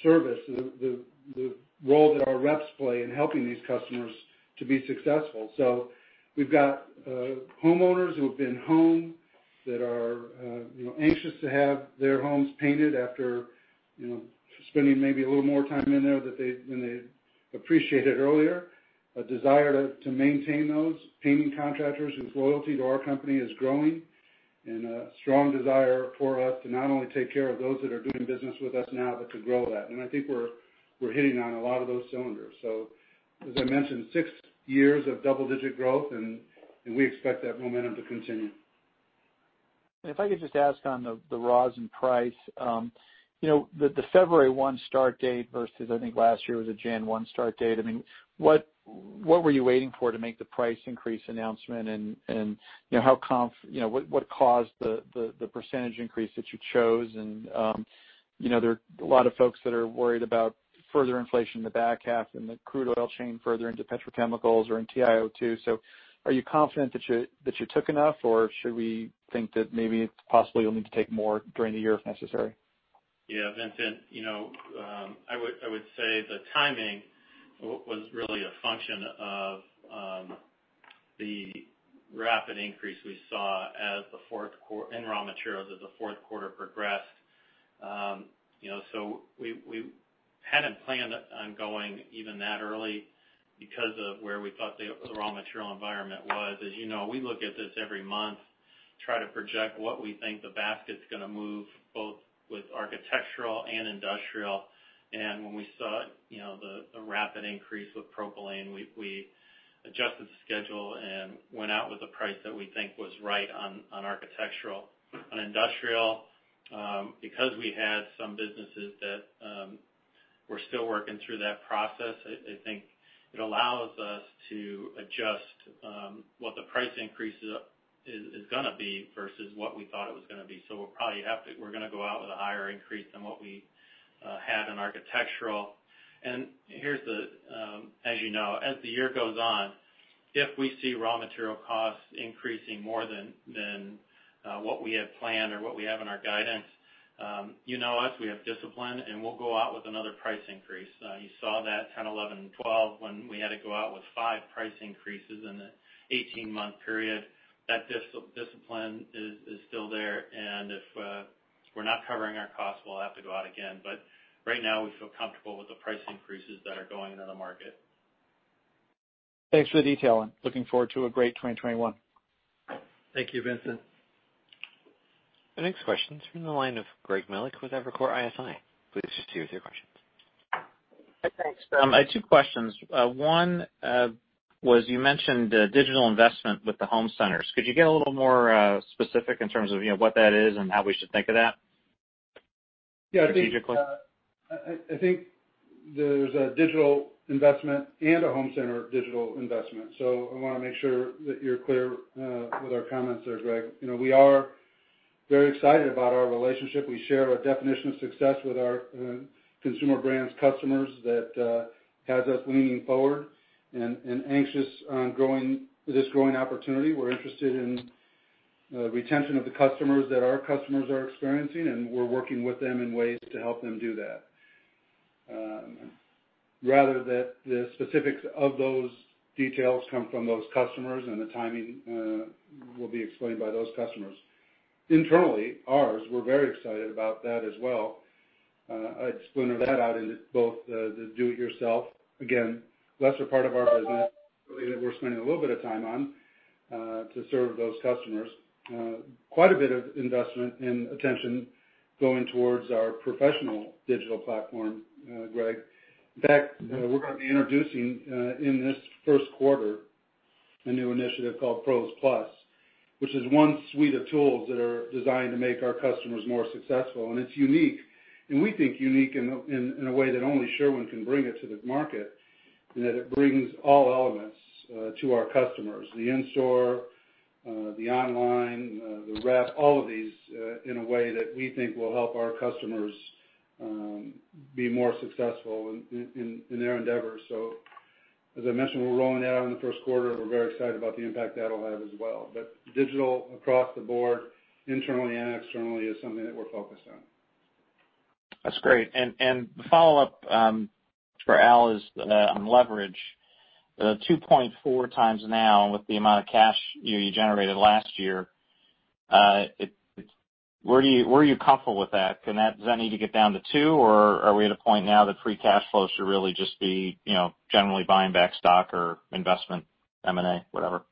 service, the role that our reps play in helping these customers to be successful. We've got homeowners who have been home that are anxious to have their homes painted after spending maybe a little more time in there than they appreciated earlier, a desire to maintain those. Painting contractors whose loyalty to our company is growing, and a strong desire for us to not only take care of those that are doing business with us now, but to grow that. I think we're hitting on a lot of those cylinders. As I mentioned, six years of double-digit growth, and we expect that momentum to continue. If I could just ask on the raws and price. The February one start date versus I think last year was a January one start date. What were you waiting for to make the price increase announcement, and what caused the percentage increase that you chose? There are a lot of folks that are worried about further inflation in the back half and the crude oil chain further into petrochemicals or in TiO2. Are you confident that you took enough, or should we think that maybe possibly you'll need to take more during the year if necessary? Yeah, Vincent. I would say the timing was really a function of the rapid increase we saw in raw materials as the fourth quarter progressed. We hadn't planned on going even that early because of where we thought the raw material environment was. As you know, we look at this every month, try to project what we think the basket's going to move, both with architectural and industrial. When we saw the rapid increase with propylene, we adjusted the schedule and went out with a price that we think was right on architectural. On industrial, because we had some businesses that were still working through that process, I think it allows us to adjust what the price increase is going to be versus what we thought it was going to be. We're going to go out with a higher increase than what we had in architectural. As you know, as the year goes on, if we see raw material costs increasing more than what we have planned or what we have in our guidance, you know us, we have discipline, and we'll go out with another price increase. You saw that 2010, 2011, and 2012 when we had to go out with five price increases in an 18-month period. That discipline is still there, and if we're not covering our costs, we'll have to go out again. Right now, we feel comfortable with the price increases that are going into the market. Thanks for the detail, and looking forward to a great 2021. Thank you, Vincent. The next question is from the line of Greg Melich with Evercore ISI, please proceed with your questions. Thanks, I had two questions. One was you mentioned digital investment with the home centers. Could you get a little more specific in terms of what that is and how we should think of that strategically? I think there's a digital investment and a home center digital investment. I want to make sure that you're clear with our comments there, Greg. We are very excited about our relationship. We share a definition of success with our Consumer Brands customers that has us leaning forward and anxious on this growing opportunity. We're interested in retention of the customers that our customers are experiencing, and we're working with them in ways to help them do that. Rather that the specifics of those details come from those customers and the timing will be explained by those customers. Internally, ours, we're very excited about that as well. I'd splinter that out into both the do-it-yourself, again, lesser part of our business, really that we're spending a little bit of time on to serve those customers. Quite a bit of investment and attention going towards our professional digital platform, Greg. In fact, we're going to be introducing, in this first quarter, a new initiative called PRO+, which is one suite of tools that are designed to make our customers more successful. It's unique, and we think unique in a way that only Sherwin can bring it to the market, in that it brings all elements to our customers, the in-store, the online, the rep, all of these, in a way that we think will help our customers be more successful in their endeavors. As I mentioned, we're rolling it out in the first quarter. We're very excited about the impact that'll have as well. Digital across the board, internally and externally, is something that we're focused on. That's great, and follow-up for Al is on leverage, 2.4x now with the amount of cash you generated last year. Where are you comfortable with that? Does that need to get down to two, or are we at a point now that free cash flows should really just be generally buying back stock or investment, M&A, whatever?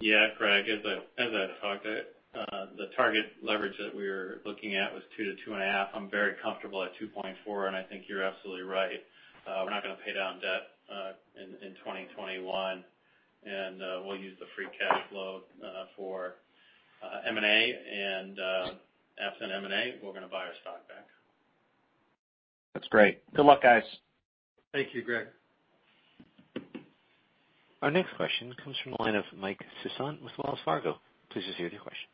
Yeah, Greg, as I talked, the target leverage that we were looking at was 2%-2.5%. I'm very comfortable at 2.4%. I think you're absolutely right. We're not going to pay down debt in 2021. We'll use the free cash flow for M&A, and absent M&A, we're going to buy our stock back. That's great, good luck, guys. Thank you, Greg. Our next question comes from the line of Mike Sison with Wells Fargo, please proceed with your question.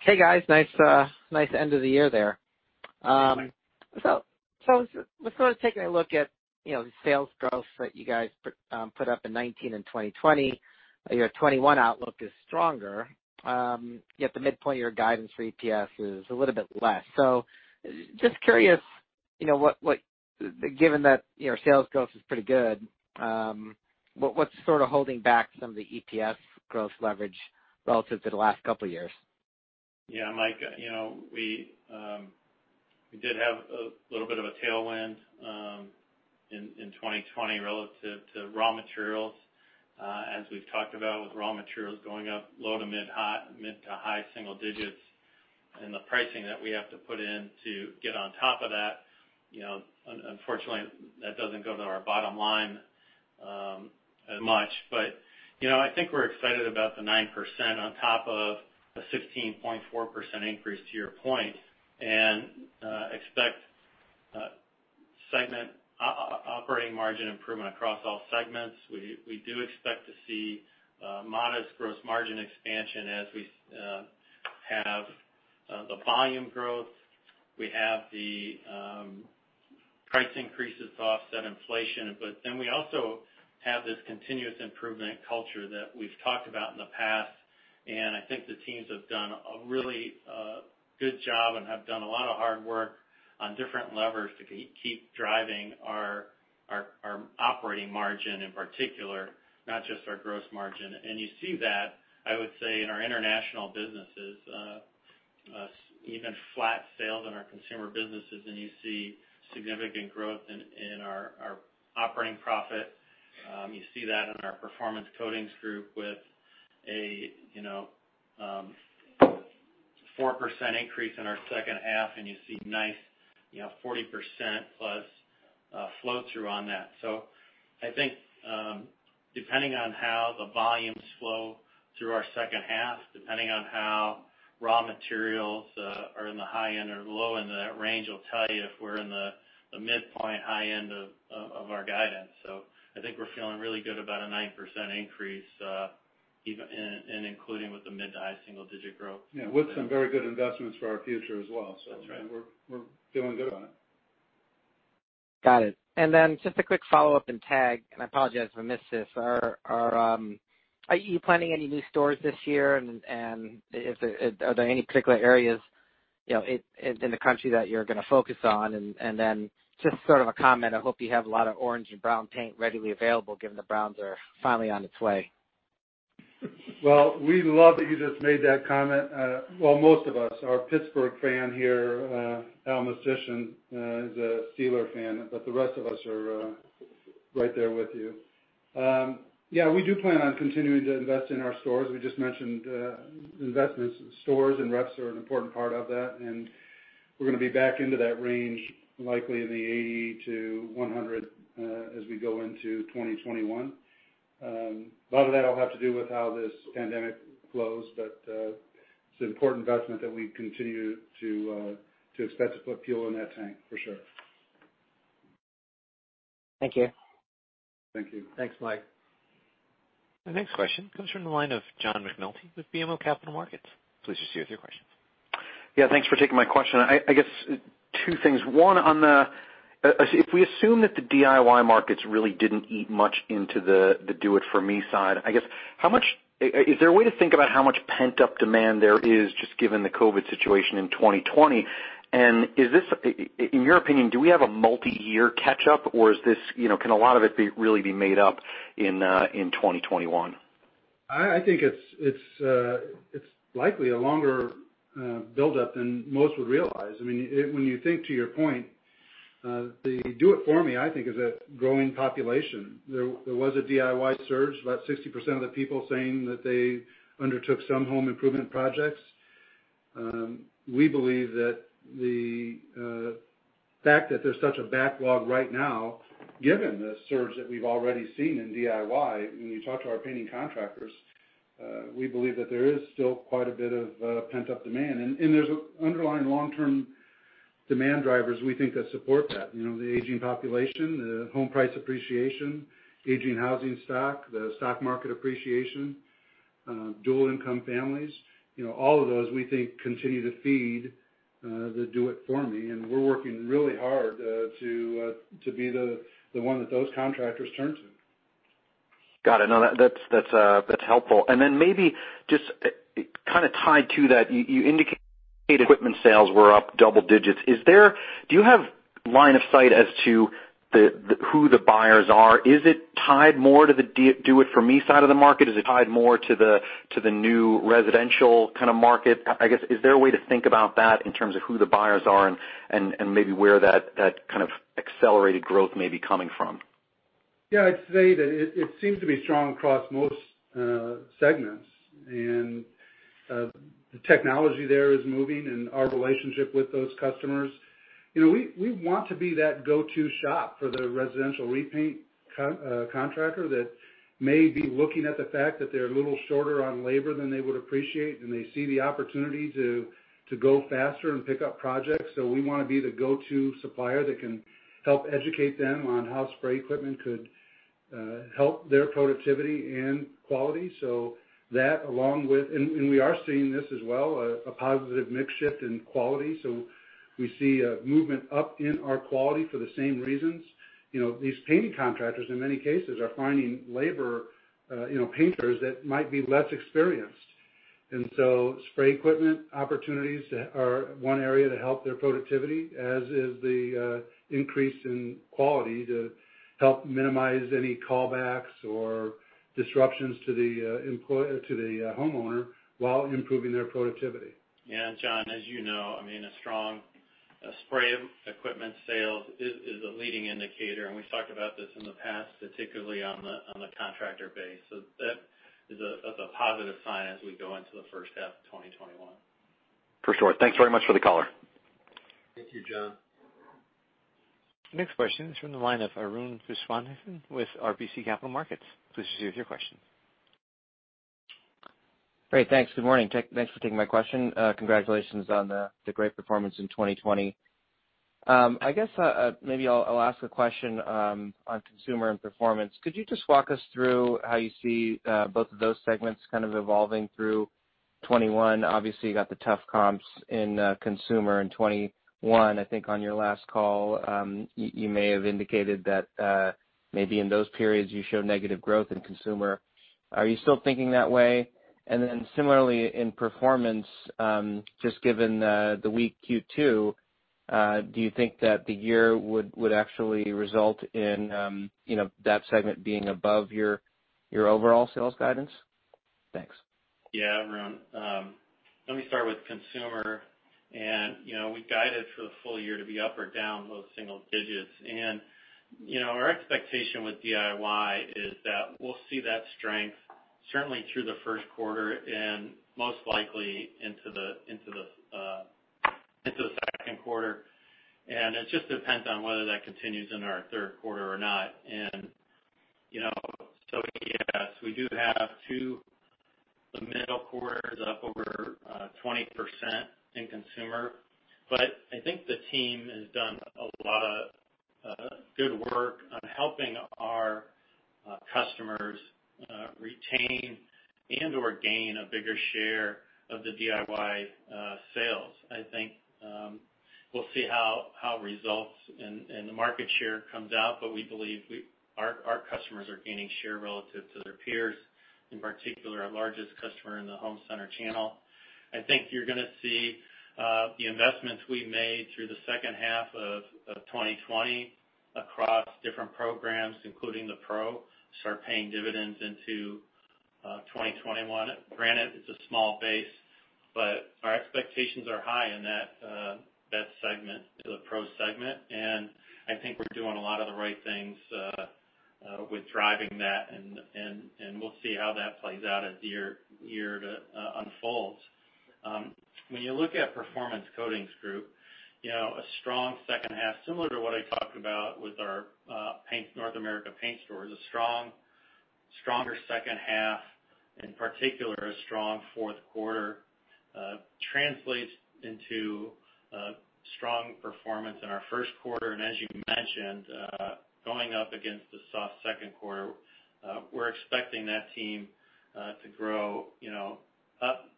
Hey, guys. Nice end of the year there. Let's go to taking a look at the sales growth that you guys put up in 2019 and 2020. Your 2021 outlook is stronger, yet the midpoint of your guidance for EPS is a little bit less. Just curious, given that your sales growth is pretty good, what's sort of holding back some of the EPS growth leverage relative to the last couple of years? Yeah, Mike, we did have a little bit of a tailwind in 2020 relative to raw materials. As we've talked about with raw materials going up low to mid, high single-digits, and the pricing that we have to put in to get on top of that, unfortunately, that doesn't go to our bottom line as much. I think we're excited about the 9% on top of a 16.4% increase to your point, and expect segment operating margin improvement across all segments. We do expect to see modest gross margin expansion as we have the volume growth. We have the price increases to offset inflation, but then we also have this continuous improvement culture that we've talked about in the past, and I think the teams have done a really good job and have done a lot of hard work on different levers to keep driving our operating margin in particular, not just our gross margin. You see that, I would say, in our international businesses, even flat sales in our consumer businesses, and you see significant growth in our operating profit. You see that in our Performance Coatings Group with a 4% increase in our second half, and you see nice 40%+ flow-through on that. I think, depending on how the volumes flow through our second half, depending on how raw materials are in the high end or low end of that range, will tell you if we're in the midpoint high end of our guidance. I think we're feeling really good about a 9% increase and including with the mid-to-high single-digit growth. Yeah, with some very good investments for our future as well. That's right. We're feeling good on it. Got it, and then just a quick follow-up and TAG, and I apologize if I missed this. Are you planning any new stores this year, and are there any particular areas in the country that you're going to focus on? Then just sort of a comment. I hope you have a lot of orange and brown paint readily available given the Browns are finally on its way. Well, we love that you just made that comment. Well, most of us, our Pittsburgh fan here, Al Mistysyn, is a Steelers fan, but the rest of us are right there with you. Yeah, we do plan on continuing to invest in our stores. We just mentioned investments in stores, and reps are an important part of that, and we're going to be back into that range, likely in the 80-100 as we go into 2021. A lot of that'll have to do with how this pandemic flows, but it's an important investment that we continue to expect to put fuel in that tank, for sure. Thank you. Thank you. Thanks, Mike. The next question comes from the line of John McNulty with BMO Capital Markets, please proceed with your questions. Yeah, thanks for taking my question. I guess two things. One, if we assume that the DIY markets really didn't eat much into the do it for me side, is there a way to think about how much pent-up demand there is just given the COVID situation in 2020? In your opinion, do we have a multi-year catch-up, or can a lot of it really be made up in 2021? I think it's likely a longer buildup than most would realize. When you think to your point, the do it for me, I think, is a growing population. There was a DIY surge, about 60% of the people saying that they undertook some home improvement projects. We believe that the fact that there's such a backlog right now, given the surge that we've already seen in DIY, when you talk to our painting contractors, we believe that there is still quite a bit of pent-up demand. There's underlying long-term demand drivers we think that support that. The aging population, the home price appreciation, aging housing stock, the stock market appreciation, dual income families. All of those, we think, continue to feed the do it for me. We're working really hard to be the one that those contractors turn to. Got it, no, that's helpful. Maybe just kind of tied to that, you indicated equipment sales were up double digits. Do you have line of sight as to who the buyers are? Is it tied more to the do it for me side of the market? Is it tied more to the new residential kind of market? I guess, is there a way to think about that in terms of who the buyers are and maybe where that kind of accelerated growth may be coming from? Yeah, I'd say that it seems to be strong across most segments, and the technology there is moving and our relationship with those customers. We want to be that go-to shop for the residential repaint contractor that may be looking at the fact that they're a little shorter on labor than they would appreciate, and they see the opportunity to go faster and pick up projects. We want to be the go-to supplier that can help educate them on how spray equipment could help their productivity and quality. That, along with, and we are seeing this as well, a positive mix shift in quality. We see a movement up in our quality for the same reasons. These painting contractors, in many cases, are finding labor, painters that might be less experienced. Spray equipment opportunities are one area to help their productivity, as is the increase in quality to help minimize any callbacks or disruptions to the homeowner while improving their productivity. John, as you know, a strong spray equipment sales is a leading indicator, and we've talked about this in the past, particularly on the contractor base. That is a positive sign as we go into the first half of 2021. For sure, thanks very much for the color. Thank you, John. Next question is from the line of Arun Viswanathan with RBC Capital Markets, please proceed with your question. Great, thanks, good morning. Thanks for taking my question. Congratulations on the great performance in 2020. I guess, maybe I'll ask a question on consumer and performance. Could you just walk us through how you see both of those segment's kind of evolving through 2021? Obviously, you got the tough comps in consumer in 2021. I think on your last call, you may have indicated that maybe in those periods, you show negative growth in consumer. Are you still thinking that way? Similarly, in performance, just given the weak Q2, do you think that the year would actually result in that segment being above your overall sales guidance? Thanks. Yeah, Arun, let me start with consumer. We guided for the full year to be up or down low-single digits. Our expectation with DIY is that we'll see that strength certainly through the first quarter and most likely into the second quarter. It just depends on whether that continues in our third quarter or not. So yes, we do have two. The middle quarter is up over 20% in consumer. I think the team has done a lot of good work on helping our customers retain and/or gain a bigger share of the DIY sales. I think we'll see how results and the market share comes out, but we believe our customers are gaining share relative to their peers, in particular, our largest customer in the home center channel. I think you're going to see the investments we made through the second half of 2020 across different programs, including the PRO+, start paying dividends into 2021. Granted, it's a small base, our expectations are high in that segment, the PRO segment, I think we're doing a lot of the right things with driving that, we'll see how that plays out as the year unfolds. When you look at Performance Coatings Group, a strong second half, similar to what I talked about with our North America paint stores, a stronger second half, in particular, a strong fourth quarter translates into strong performance in our first quarter. As you mentioned, going up against the soft second quarter, we're expecting that team to grow up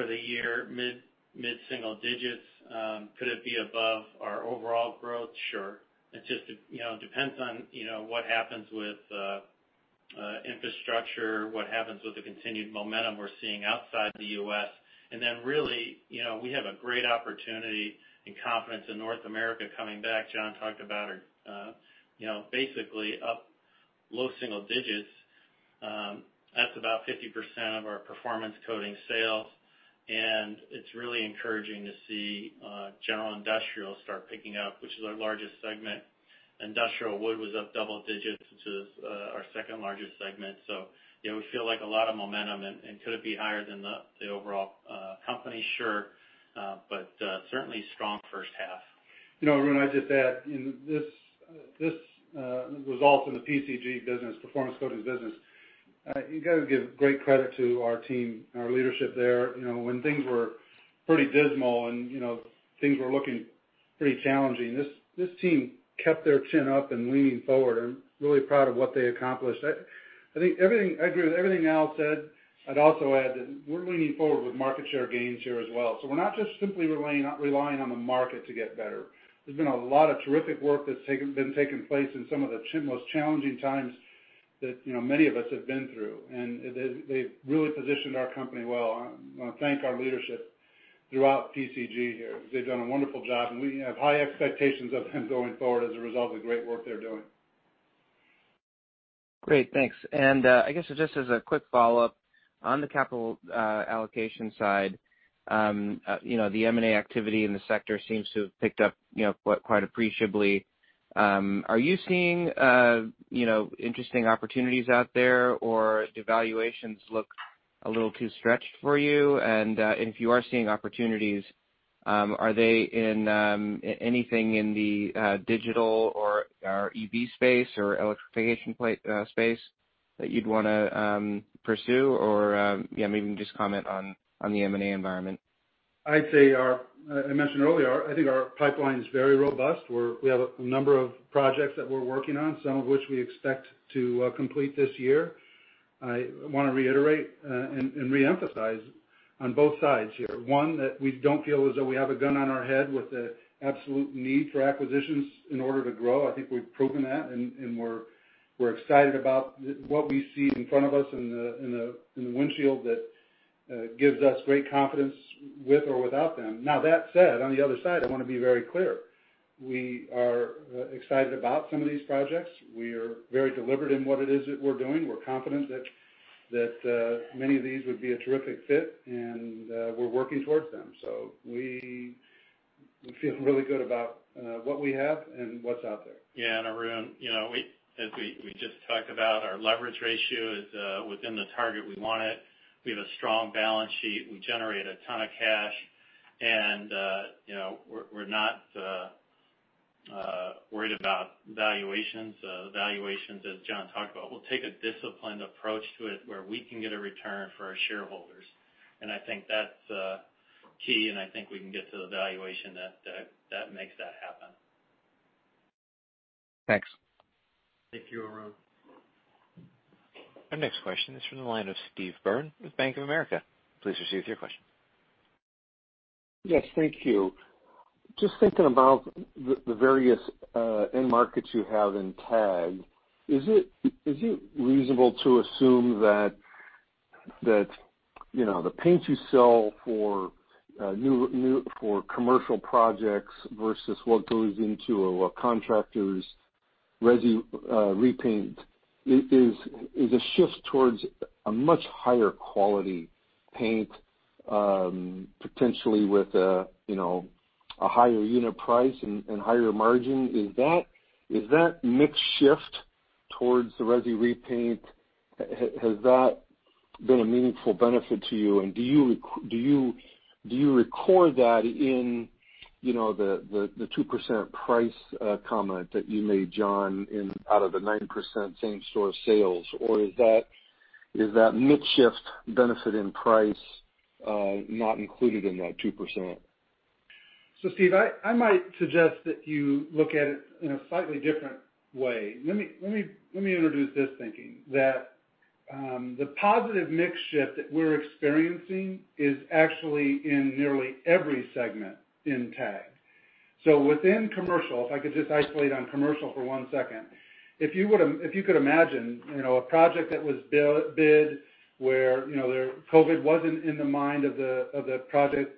for the year mid-single digits. Could it be above our overall growth? Sure. It just depends on what happens with infrastructure, what happens with the continued momentum we're seeing outside the U.S. Really, we have a great opportunity and confidence in North America coming back. John talked about are basically up low-single digits. That's about 50% of our performance coating sales, and it's really encouraging to see General Industrial start picking up, which is our largest segment. Industrial Wood was up double digits, which is our second-largest segment. We feel like a lot of momentum. Could it be higher than the overall company? Sure. Certainly, strong first half. Arun, I'd just add, this result in the PCG business, Performance Coatings business, you got to give great credit to our team and our leadership there. When things were pretty dismal and things were looking pretty challenging, this team kept their chin up and leaning forward. I'm really proud of what they accomplished. I agree with everything Al said. I'd also add that we're leaning forward with market share gains here as well. We're not just simply relying on the market to get better. There's been a lot of terrific work that's been taking place in some of the most challenging times that many of us have been through, and they've really positioned our company well. I want to thank our leadership throughout PCG here. They've done a wonderful job, and we have high expectations of them going forward as a result of the great work they're doing. Great, thanks, and I guess just as a quick follow-up, on the capital allocation side, the M&A activity in the sector seems to have picked up quite appreciably. Are you seeing interesting opportunities out there, or do valuations look a little too stretched for you? If you are seeing opportunities, are they anything in the digital or EV space, or electrification space that you'd want to pursue? Maybe you can just comment on the M&A environment. I'd say, I mentioned earlier, I think our pipeline is very robust, where we have a number of projects that we're working on, some of which we expect to complete this year. I want to reiterate, and reemphasize on both sides here. One, that we don't feel as though we have a gun on our head with the absolute need for acquisitions in order to grow. I think we've proven that. We're excited about what we see in front of us in the windshield that gives us great confidence with or without them. That said, on the other side, I want to be very clear. We are excited about some of these projects. We are very deliberate in what it is that we're doing. We're confident that many of these would be a terrific fit, and we're working towards them. We feel really good about what we have and what's out there. Yeah, Arun, as we just talked about, our leverage ratio is within the target we wanted. We have a strong balance sheet. We generate a ton of cash, and we're not worried about valuations. Valuations, as John talked about, we'll take a disciplined approach to it where we can get a return for our shareholders, and I think that's key, and I think we can get to the valuation that makes that happen. Thanks. Thank you, Arun. Our next question is from the line of Steve Byrne with Bank of America, please proceed with your question. Yes, thank you. Just thinking about the various end markets you have in TAG. Is it reasonable to assume that the paint you sell for commercial projects versus what goes into a contractor's resi repaint, is a shift towards a much higher quality paint, potentially with a higher unit price and higher margin? Is that mix shift towards the resi repaint, has that been a meaningful benefit to you? Do you record that in the 2% price comment that you made, John, out of the 9% same store sales? Is that mix shift benefit in price not included in that 2%? Steve, I might suggest that you look at it in a slightly different way. Let me introduce this thinking, that the positive mix shift that we're experiencing is actually in nearly every segment in TAG. Within commercial, if I could just isolate on commercial for one second. If you could imagine a project that was bid where COVID wasn't in the mind of the project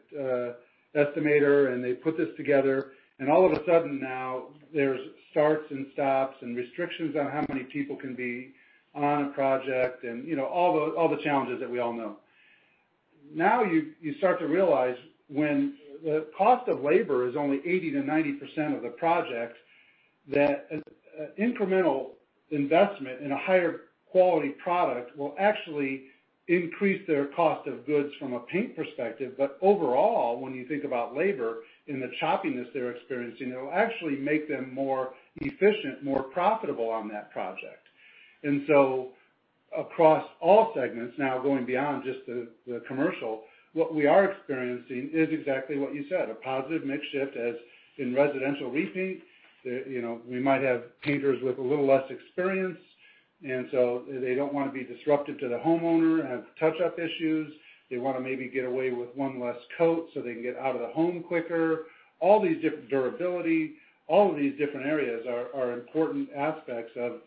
estimator, and they put this together, and all of a sudden now there's starts and stops and restrictions on how many people can be on a project, and all the challenges that we all know. Now, you start to realize when the cost of labor is only 80%-90% of the project, that incremental investment in a higher quality product will actually increase their cost of goods from a paint perspective. Overall, when you think about labor and the choppiness they're experiencing, it'll actually make them more efficient, more profitable on that project. Across all segments now, going beyond just the commercial, what we are experiencing is exactly what you said, a positive mix shift as in residential repaint. We might have painters with a little less experience, and so they don't want to be disruptive to the homeowner, have touch-up issues. They want to maybe get away with one less coat so they can get out of the home quicker. All these different durability, all of these different areas are important aspects of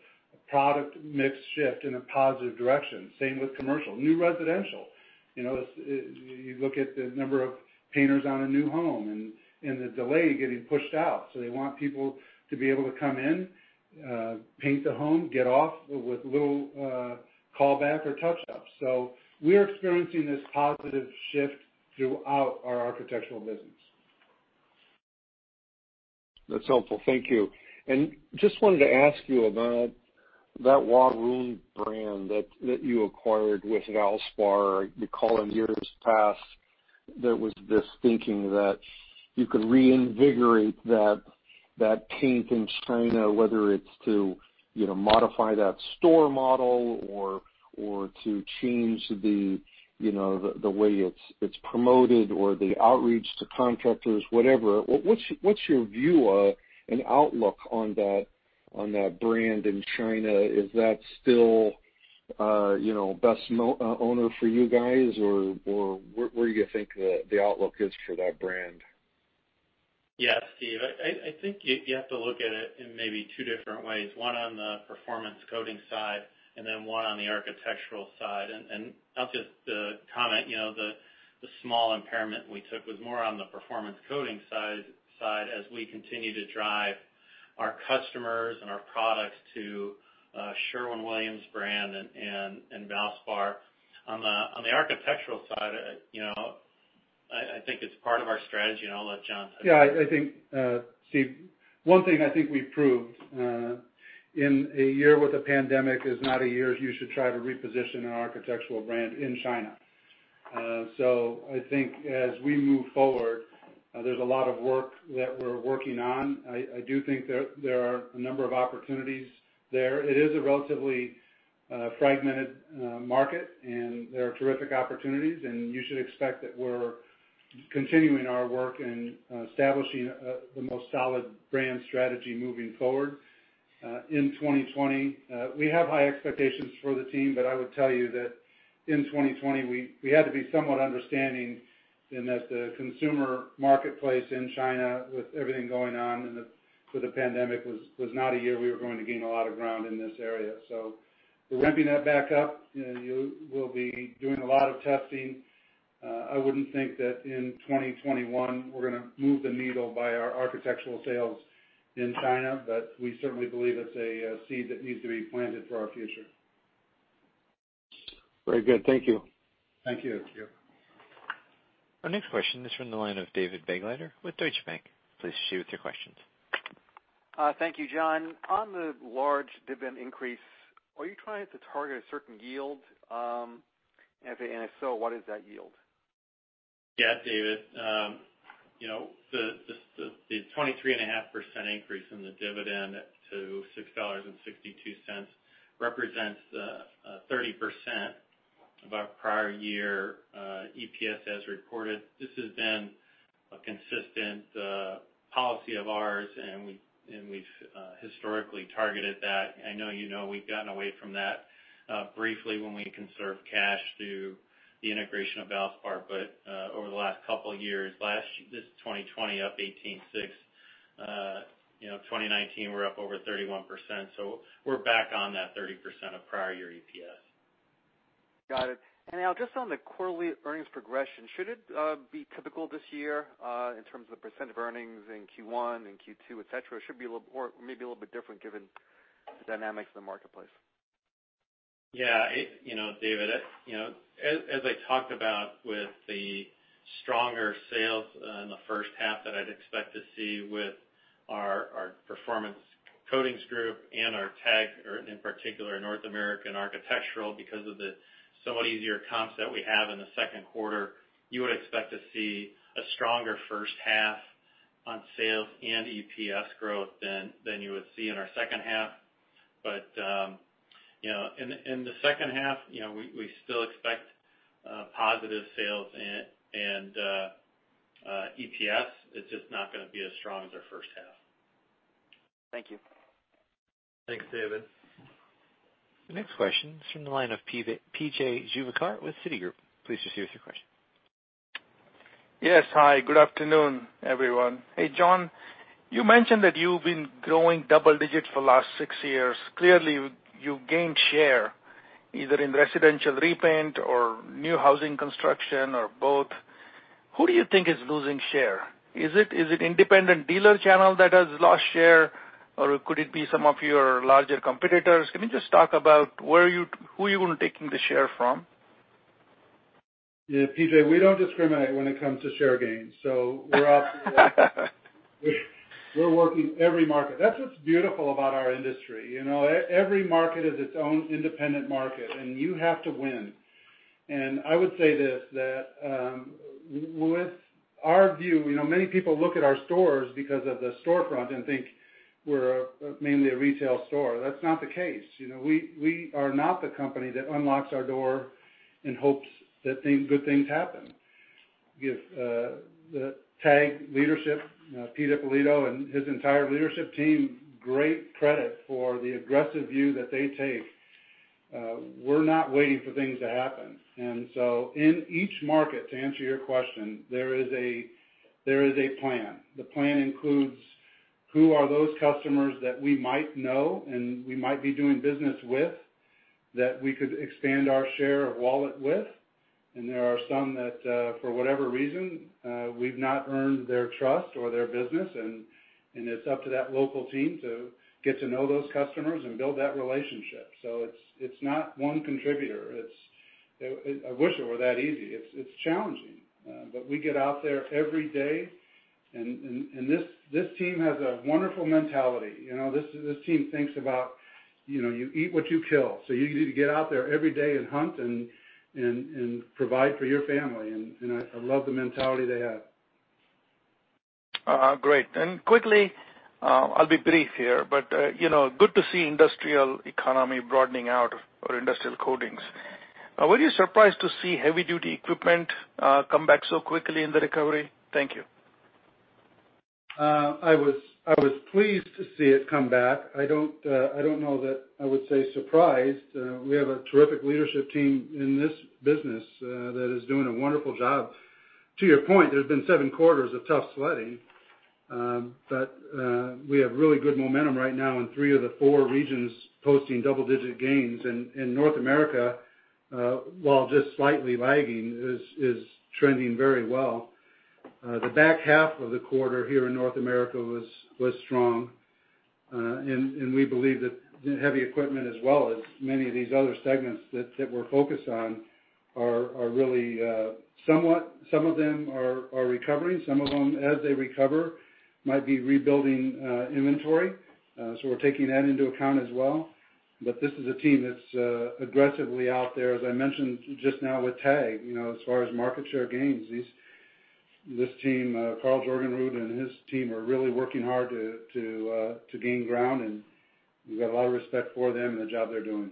product mix shift in a positive direction. Same with commercial. New residential. You look at the number of painters on a new home and the delay getting pushed out. They want people to be able to come in, paint the home, get off with little callback or touch-ups. We are experiencing this positive shift throughout our architectural business. That's helpful, thank you. Just wanted to ask you about that Huarun brand that you acquired with Valspar. I recall in years past, there was this thinking that you could reinvigorate that paint in China, whether it's to modify that store model or to change the way it's promoted or the outreach to contractors, whatever. What's your view or an outlook on that brand in China? Is that still best owner for you guys or where do you think the outlook is for that brand? Yeah, Steve, I think you have to look at it in maybe two different ways. One on the Performance Coatings side, and then one on the architectural side. I'll just comment, you know the small impairment we took was more on the Performance Coatings side, as we continue to drive our customers and our products to Sherwin-Williams brand and Valspar. On the architectural side, I think it's part of our strategy, and I'll let John talk. Yeah, Steve, one thing I think we've proved, in a year with a pandemic is not a year you should try to reposition an architectural brand in China. I think as we move forward, there's a lot of work that we're working on. I do think there are a number of opportunities there. It is a relatively fragmented market, and there are terrific opportunities, and you should expect that we're continuing our work in establishing the most solid brand strategy moving forward. In 2020, we have high expectations for the team, but I would tell you that in 2020, we had to be somewhat understanding in that the consumer marketplace in China, with everything going on with the pandemic, was not a year we were going to gain a lot of ground in this area. We're ramping that back up, we'll be doing a lot of testing. I wouldn't think that in 2021, we're going to move the needle by our architectural sales in China, but we certainly believe it's a seed that needs to be planted for our future. Very good, thank you. Thank you. Our next question is from the line of David Begleiter with Deutsche Bank, please proceed with your questions. Thank you, John. On the large dividend increase, are you trying to target a certain yield? If so, what is that yield? Yeah, David, the 23.5% increase in the dividend to $6.62 represents 30% of our prior-year EPS as reported. This has been a consistent policy of ours, and we've historically targeted that. I know you know we've gotten away from that briefly when we conserved cash through the integration of Valspar, but over the last couple of years, this 2020 up 18.6%, 2019 we're up over 31%, so we're back on that 30% of prior year EPS. Got it, and Al, just on the quarterly earnings progression, should it be typical this year in terms of the percent of earnings in Q1 and Q2, et cetera? It should be maybe a little bit different given the dynamics of the marketplace? Yeah, David, as I talked about with the stronger sales in the first half that I'd expect to see with our Performance Coatings Group and our TAG, or in particular North American architectural, because of the somewhat easier comps that we have in the second quarter, you would expect to see a stronger first half on sales and EPS growth than you would see in our second half. In the second half, we still expect positive sales and EPS. It's just not going to be as strong as our first half. Thank you. Thanks, David. The next question is from the line of P.J. Juvekar with Citigroup, please proceed with your question. Yes, hi, good afternoon, everyone. Hey, John, you mentioned that you've been growing double digits for the last six years. Clearly, you've gained share, either in residential repaint or new housing construction, or both. Who do you think is losing share? Is it independent dealer channel that has lost share, or could it be some of your larger competitors? Can you just talk about who you're taking the share from? Yeah, P.J., we don't discriminate when it comes to share gains. We're working every market. That's what's beautiful about our industry. Every market is its own independent market, and you have to win. I would say this, that with our view, many people look at our stores because of the storefront and think we're mainly a retail store, that's not the case. We are not the company that unlocks our door and hopes that good things happen. Give the TAG leadership, Peter Ippolito and his entire leadership team, great credit for the aggressive view that they take. We're not waiting for things to happen. In each market, to answer your question, there is a plan. The plan includes Who are those customers that we might know and we might be doing business with, that we could expand our share of wallet with? There are some that, for whatever reason, we've not earned their trust or their business, and it's up to that local team to get to know those customers and build that relationship. It's not one contributor. I wish it were that easy. It's challenging. We get out there every day, and this team has a wonderful mentality. This team thinks about, you eat what you kill. You need to get out there every day and hunt and provide for your family, and I love the mentality they have. Great, quickly, I'll be brief here. Good to see industrial economy broadening out for industrial coatings. Were you surprised to see heavy-duty equipment come back so quickly in the recovery? Thank you. I was pleased to see it come back. I don't know that I would say surprised. We have a terrific leadership team in this business that is doing a wonderful job. To your point, there's been seven quarters of tough sledding. We have really good momentum right now in three of the four regions posting double-digit gains. In North America, while just slightly lagging, is trending very well. The back half of the quarter here in North America was strong. We believe that heavy equipment, as well as many of these other segments that we're focused on, some of them are recovering, some of them, as they recover, might be rebuilding inventory. We're taking that into account as well. This is a team that's aggressively out there, as I mentioned just now with TAG. As far as market share gains, Karl Jorgenrud and his team are really working hard to gain ground, and we got a lot of respect for them and the job they're doing.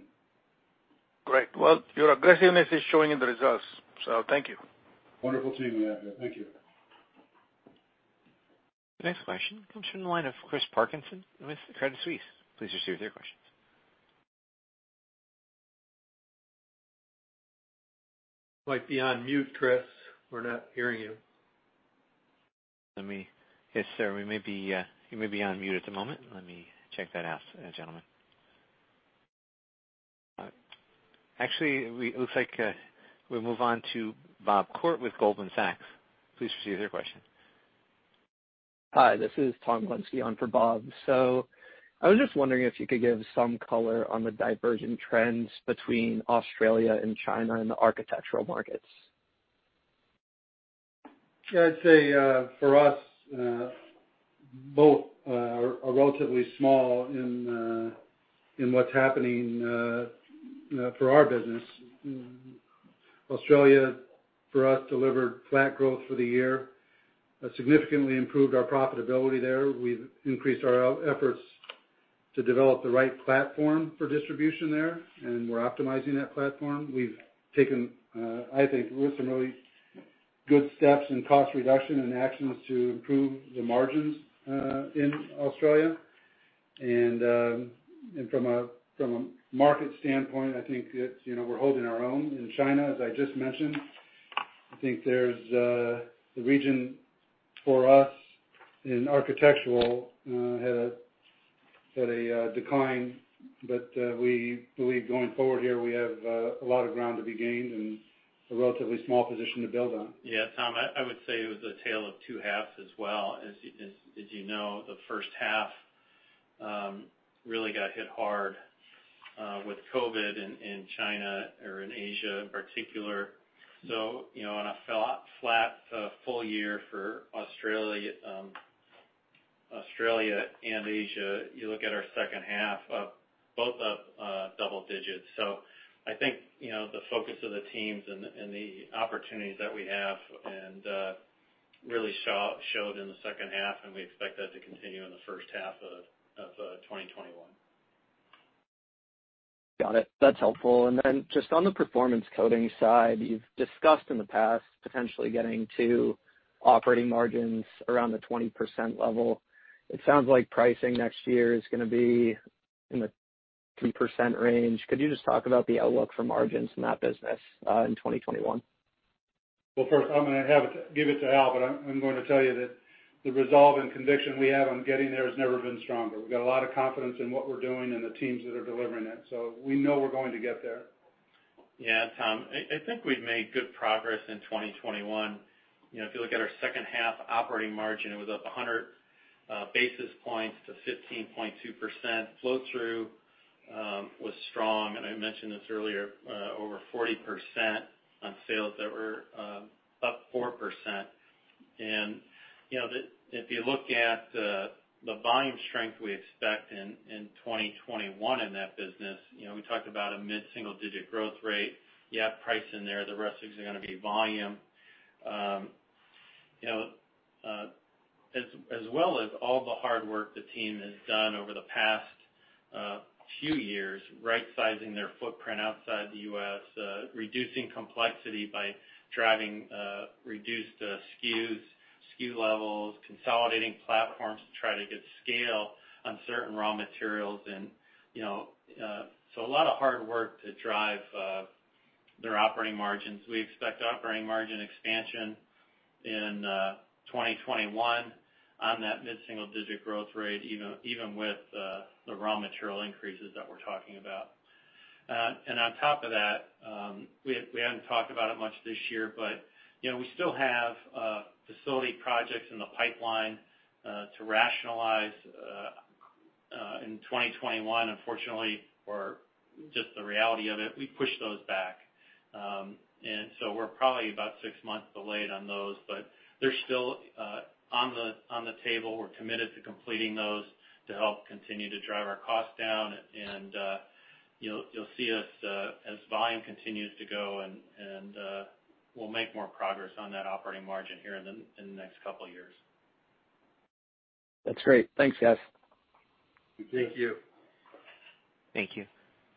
Great, well, your aggressiveness is showing in the results, so thank you. Wonderful team we have here, thank you. The next question comes from the line of Chris Parkinson with Credit Suisse, please proceed with your questions. Might be on mute, Chris, we're not hearing you. Yes, sir, you may be on mute at the moment. Let me check that out, gentlemen. Actually, it looks like we'll move on to Bob Koort with Goldman Sachs, please proceed with your question. Hi, this is Tom Glinski on for Bob. I was just wondering if you could give some color on the divergent trends between Australia and China in the architectural markets. Yeah, I'd say, for us, both are relatively small in what's happening for our business. Australia, for us, delivered flat growth for the year, significantly improved our profitability there. We've increased our efforts to develop the right platform for distribution there, and we're optimizing that platform. We've taken, I think, some really good steps in cost reduction and actions to improve the margins in Australia. From a market standpoint, I think we're holding our own in China, as I just mentioned. I think the region, for us, in architectural had a decline, but we believe going forward here, we have a lot of ground to be gained and a relatively small position to build on. Yeah, Tom, I would say it was a tale of two halves as well. As you know, the first half really got hit hard with COVID in China or in Asia in particular. On a flat full year for Australia and Asia, you look at our second half, both up double digits. I think the focus of the teams and the opportunities that we have really showed in the second half, and we expect that to continue in the first half of 2021. Got it, that's helpful. Just on the Performance Coatings side, you've discussed in the past potentially getting to operating margins around the 20% level. It sounds like pricing next year is going to be in the 3% range. Could you just talk about the outlook for margins in that business in 2021? Well, first, I'm going to give it to Al, I'm going to tell you that the resolve and conviction we have on getting there has never been stronger. We've got a lot of confidence in what we're doing and the teams that are delivering it, we know we're going to get there. Yeah, Tom, I think we've made good progress in 2021. If you look at our second half operating margin, it was up 100 basis points to 15.2%. Flow-through was strong, and I mentioned this earlier, over 40% on sales that were up 4%. If you look at the volume strength we expect in 2021 in that business, we talked about a mid-single-digit growth rate. You have price in there. The rest is going to be volume. As well as all the hard work the team has done over the past few years, rightsizing their footprint outside the U.S., reducing complexity by driving reduced SKU levels, consolidating platforms to try to get scale. Certain raw materials and so a lot of hard work to drive their operating margins. We expect operating margin expansion in 2021 on that mid-single-digit growth rate, even with the raw material increases that we're talking about. On top of that, we haven't talked about it much this year, but we still have facility projects in the pipeline to rationalize in 2021. Unfortunately, or just the reality of it, we pushed those back. So we're probably about six months delayed on those, but they're still on the table. We're committed to completing those to help continue to drive our costs down. You'll see us as volume continues to go, and we'll make more progress on that operating margin here in the next couple of years. That's great, thanks, guys. Thank you. Thank you,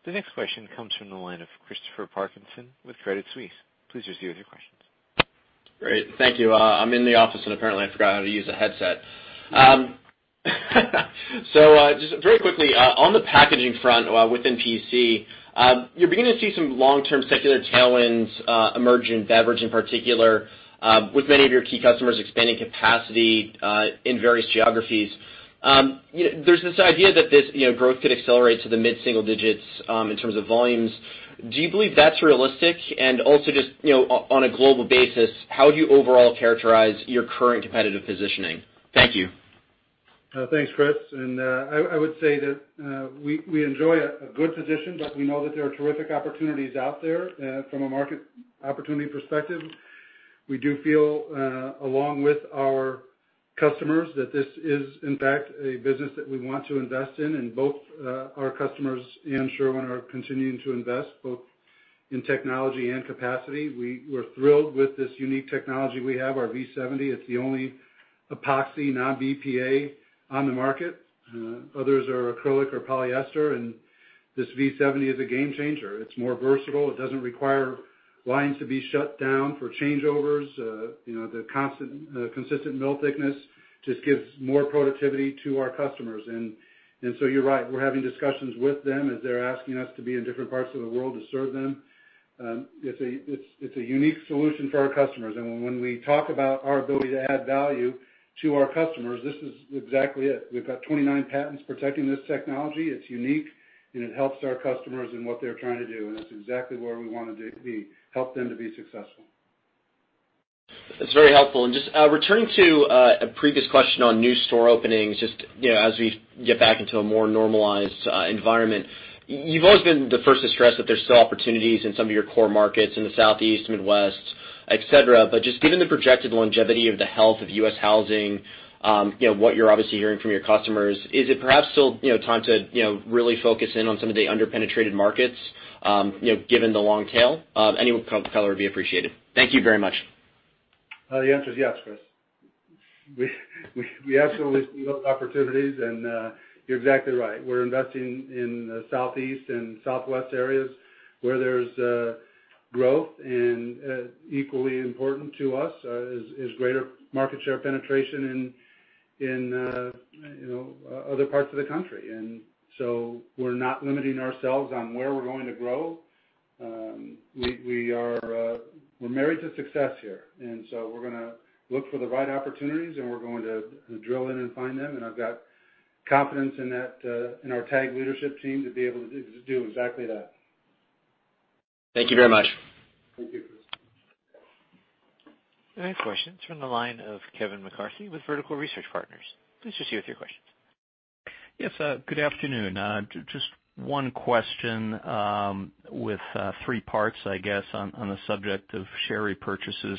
the next question comes from the line of Chris Parkinson with Credit Suisse, please proceed with your questions. Great, thank you. I'm in the office, and apparently, I forgot how to use a headset. Just very quickly, on the packaging front within PCG, you're beginning to see some long-term secular tailwinds emerge in beverage, in particular, with many of your key customers expanding capacity in various geographies. There's this idea that this growth could accelerate to the mid-single digits in terms of volumes. Do you believe that's realistic? Also just, on a global basis, how do you overall characterize your current competitive positioning? Thank you. Thanks, Chris. I would say that we enjoy a good position, but we know that there are terrific opportunities out there from a market opportunity perspective. We do feel, along with our customers, that this is in fact a business that we want to invest in, and both our customers and Sherwin are continuing to invest both in technology and capacity. We're thrilled with this unique technology we have, our V70. It's the only epoxy non-BPA on the market. Others are acrylic or polyester, and this V70 is a game changer. It's more versatile. It doesn't require lines to be shut down for changeovers. The consistent mill thickness just gives more productivity to our customers, and you're right. We're having discussions with them as they're asking us to be in different parts of the world to serve them. It's a unique solution for our customers. When we talk about our ability to add value to our customers, this is exactly it. We've got 29 patents protecting this technology. It's unique, and it helps our customers in what they're trying to do, and that's exactly where we want to be, help them to be successful. That's very helpful, and just returning to a previous question on new store openings, just as we get back into a more normalized environment, you've always been the first to stress that there's still opportunities in some of your core markets in the Southeast, Midwest, et cetera. Just given the projected longevity of the health of U.S. housing, what you're obviously hearing from your customers, is it perhaps still time to really focus in on some of the under-penetrated markets given the long tail? Any color would be appreciated, thank you very much. The answer is yes, Chris. We absolutely look at opportunities, and you're exactly right. We're investing in the Southeast and Southwest areas where there's growth, and equally important to us is greater market share penetration in other parts of the country. We're not limiting ourselves on where we're going to grow. We're married to success here. We're going to look for the right opportunities, and we're going to drill in and find them, and I've got confidence in our TAG leadership team to be able to do exactly that. Thank you very much. Thank you, Chris. Your next question's from the line of Kevin McCarthy with Vertical Research Partners, please proceed with your questions. Yes, good afternoon. Just one question with three parts, I guess, on the subject of share repurchases.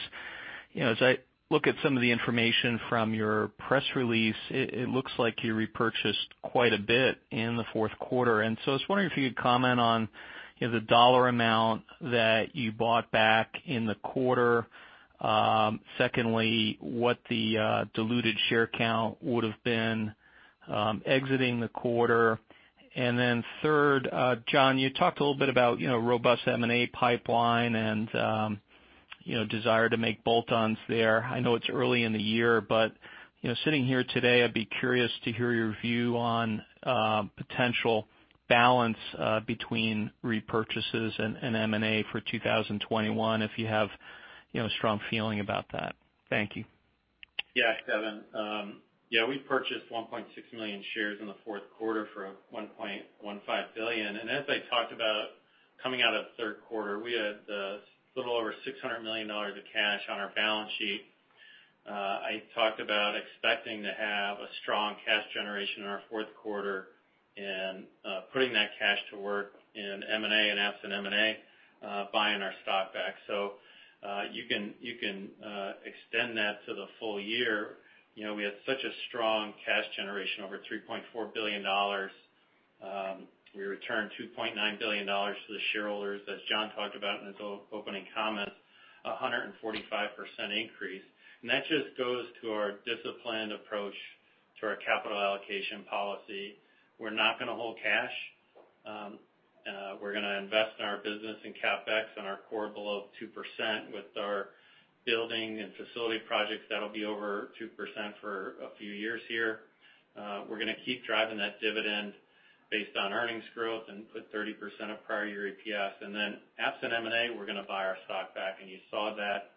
As I look at some of the information from your press release, it looks like you repurchased quite a bit in the fourth quarter. I was wondering if you could comment on the dollar amount that you bought back in the quarter. Secondly, what the diluted share count would've been exiting the quarter. Third, John, you talked a little bit about robust M&A pipeline and desire to make bolt-ons there. I know it's early in the year, but sitting here today, I'd be curious to hear your view on potential balance between repurchases and M&A for 2021, if you have a strong feeling about that, thank you. Kevin, yeah, we purchased 1.6 million shares in the fourth quarter for $1.5 billion. As I talked about coming out of third quarter, we had a little over $600 million of cash on our balance sheet. I talked about expecting to have a strong cash generation in our fourth quarter and putting that cash to work in M&A and absent M&A, buying our stock back. You can extend that to the full year. We had such a strong cash generation, over $3.4 billion. We returned $2.9 billion to the shareholders, as John talked about in his opening comments, a 145% increase. That just goes to our disciplined approach to our capital allocation policy. We're not going to hold cash. We're going to invest in our business in CapEx and our core below 2% with our building and facility projects. That'll be over 2% for a few years here. We're going to keep driving that dividend based on earnings growth and put 30% of prior year EPS. Absent M&A, we're going to buy our stock back. You saw that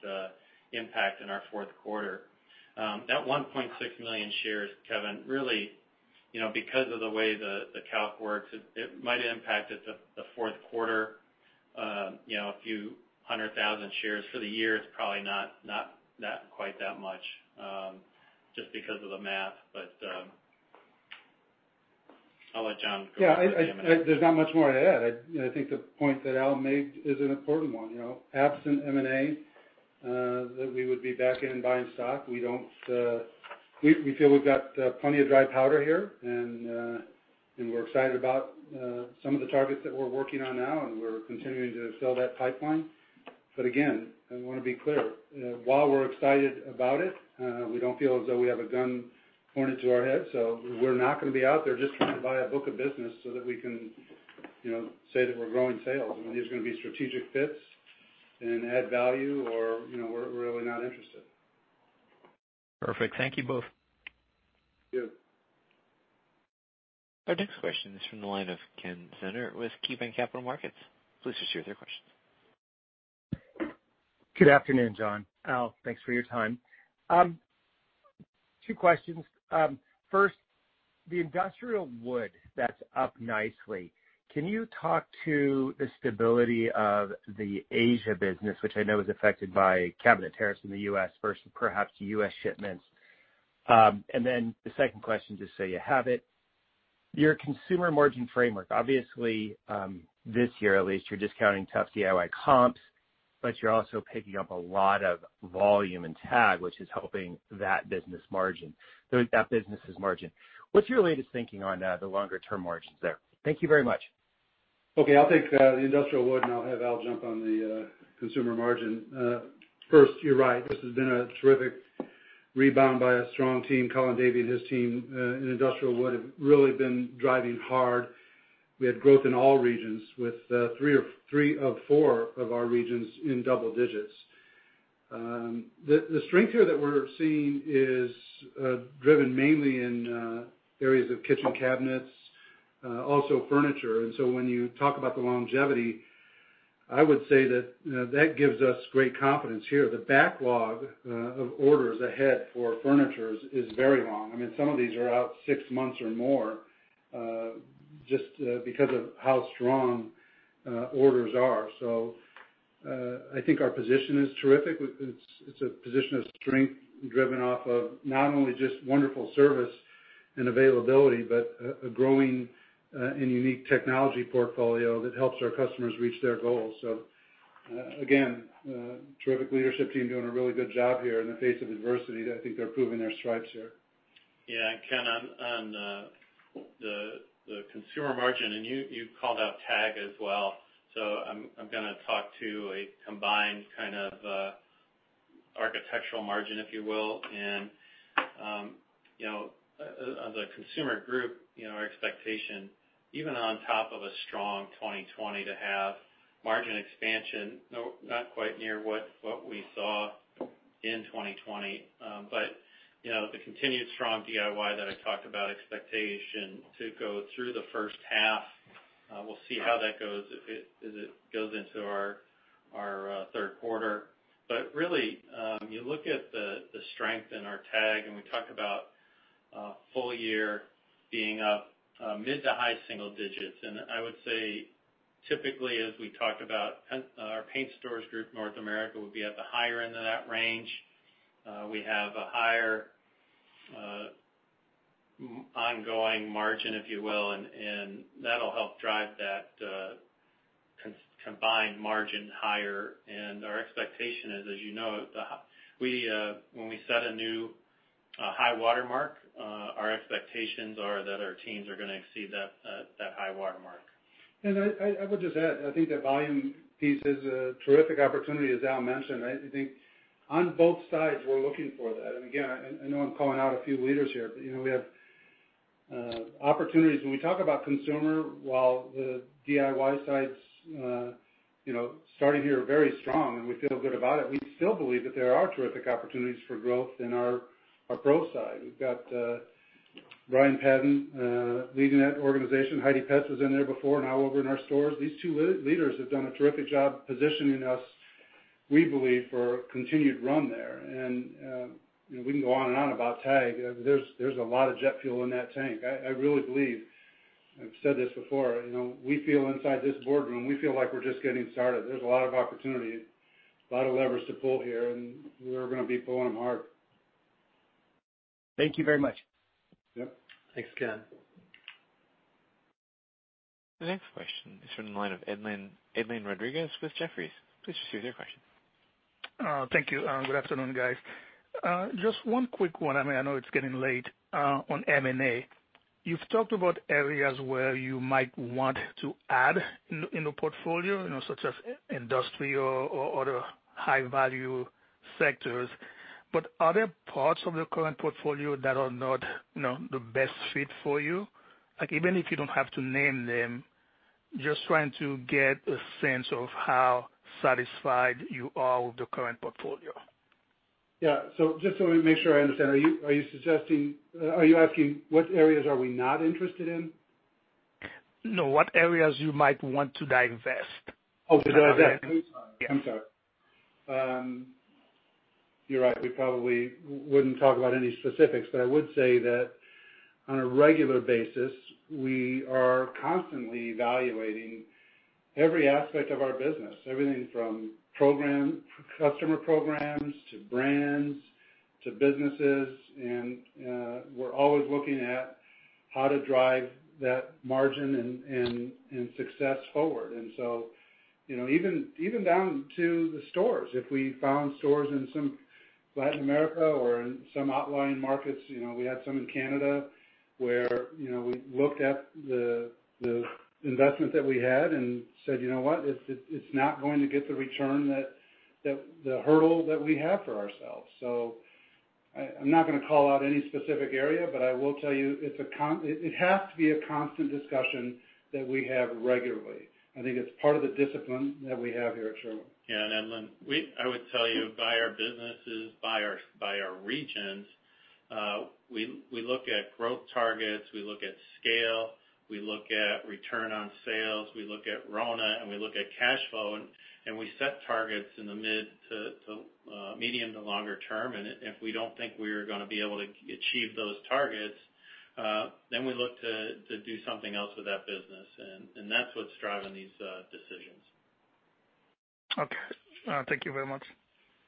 impact in our fourth quarter. That 1.6 million shares, Kevin, really, because of the way the calc works, it might have impacted the fourth quarter, a few hundred thousand shares. For the year, it's probably not quite that much, just because of the math. I'll let John go. Yeah, there's not much more to add. I think the point that Al made is an important one. Absent M&A, that we would be back in buying stock. We feel we've got plenty of dry powder here, and we're excited about some of the targets that we're working on now, and we're continuing to fill that pipeline. Again, I want to be clear. While we're excited about it, we don't feel as though we have a gun pointed to our head. We're not going to be out there just trying to buy a book of business so that we can say that we're growing sales. I mean, these are going to be strategic fits and add value, or we're really not interested. Perfect, thank you both. Thank you. Our next question is from the line of Ken Zener with KeyBanc Capital Markets, please proceed with your questions. Good afternoon, John, Al, thanks for your time. Two questions, first, the industrial wood that's up nicely. Can you talk to the stability of the Asia business, which I know is affected by cabinet tariffs in the U.S. versus perhaps U.S. shipments? The second question, just so you have it, your consumer margin framework. Obviously, this year at least, you're discounting tough DIY comps, but you're also picking up a lot of volume and TAG, which is helping that business' margin. What's your latest thinking on the longer-term margins there? Thank you very much. Okay, I'll take the industrial wood, and I'll have Al jump on the consumer margin. First, you're right, this has been a terrific rebound by a strong team. Colin Davie and his team in industrial wood have really been driving hard. We had growth in all regions with three of four of our regions in double digits. The strength here that we're seeing is driven mainly in areas of kitchen cabinets, also furniture. When you talk about the longevity, I would say that that gives us great confidence here. The backlog of orders ahead for furniture is very long. I mean, some of these are out six months or more, just because of how strong orders are. I think our position is terrific. It's a position of strength driven off of not only just wonderful service and availability, but a growing and unique technology portfolio that helps our customers reach their goals. Again, terrific leadership team doing a really good job here in the face of adversity, I think they're proving their stripes here. Yeah, Ken, on the consumer margin, you called out TAG as well. I'm going to talk to a combined kind of architectural margin, if you will. Of the consumer group, our expectation, even on top of a strong 2020, to have margin expansion, not quite near what we saw in 2020. The continued strong DIY that I talked about, expectation to go through the first half. We'll see how that goes as it goes into our third quarter. Really, you look at the strength in our TAG, and we talk about full year being up mid-to-high single-digits. I would say typically, as we talk about our Paint Stores Group North America would be at the higher end of that range. We have a higher ongoing margin, if you will, that'll help drive that combined margin higher. Our expectation is, as you know, when we set a new high watermark, our expectations are that our teams are going to exceed that high watermark. I would just add, I think the volume piece is a terrific opportunity, as Al mentioned. I think on both sides, we're looking for that. Again, I know I'm calling out a few leaders here, but we have opportunities. When we talk about consumer, while the DIY side's starting here very strong, and we feel good about it, we still believe that there are terrific opportunities for growth in our pro side. We've got Brian Padden leading that organization. Heidi Petz was in there before, now over in our stores. These two leaders have done a terrific job positioning us, we believe, for a continued run there. We can go on and on about TAG. There's a lot of jet fuel in that tank. I really believe, I've said this before, we feel inside this boardroom, we feel like we're just getting started. There's a lot of opportunity, a lot of levers to pull here, and we're going to be pulling them hard. Thank you very much. Yep. Thanks, Ken. The next question is from the line of Edlain Rodriguez with Jefferies, please proceed with your question. Thank you, good afternoon, guys. Just one quick one. I mean, I know it's getting late. On M&A, you've talked about areas where you might want to add in the portfolio, such as industry or other high-value sectors. Are there parts of your current portfolio that are not the best fit for you? Like even if you don't have to name them. Just trying to get a sense of how satisfied you are with the current portfolio. Yeah, just so we make sure I understand, are you asking what areas are we not interested in? No, what areas you might want to divest? Oh, to divest, I'm sorry. You're right, we probably wouldn't talk about any specifics, but I would say that on a regular basis, we are constantly evaluating every aspect of our business. Everything from customer programs, to brands, to businesses, and we're always looking at how to drive that margin and success forward. Even down to the stores. If we found stores in some Latin America or in some outlying markets, we had some in Canada where we looked at the investment that we had and said, "You know what? It's not going to get the return, the hurdle that we have for ourselves." I'm not going to call out any specific area, but I will tell you, it has to be a constant discussion that we have regularly. I think it's part of the discipline that we have here at Sherwin. Yeah, Edlain, I would tell you by our businesses, by our regions, we look at growth targets, we look at scale, we look at return on sales, we look at RONA, and we look at cash flow, and we set targets in the medium to longer term. If we don't think we are going to be able to achieve those targets, then we look to do something else with that business. That's what's driving these decisions. Okay, thank you very much.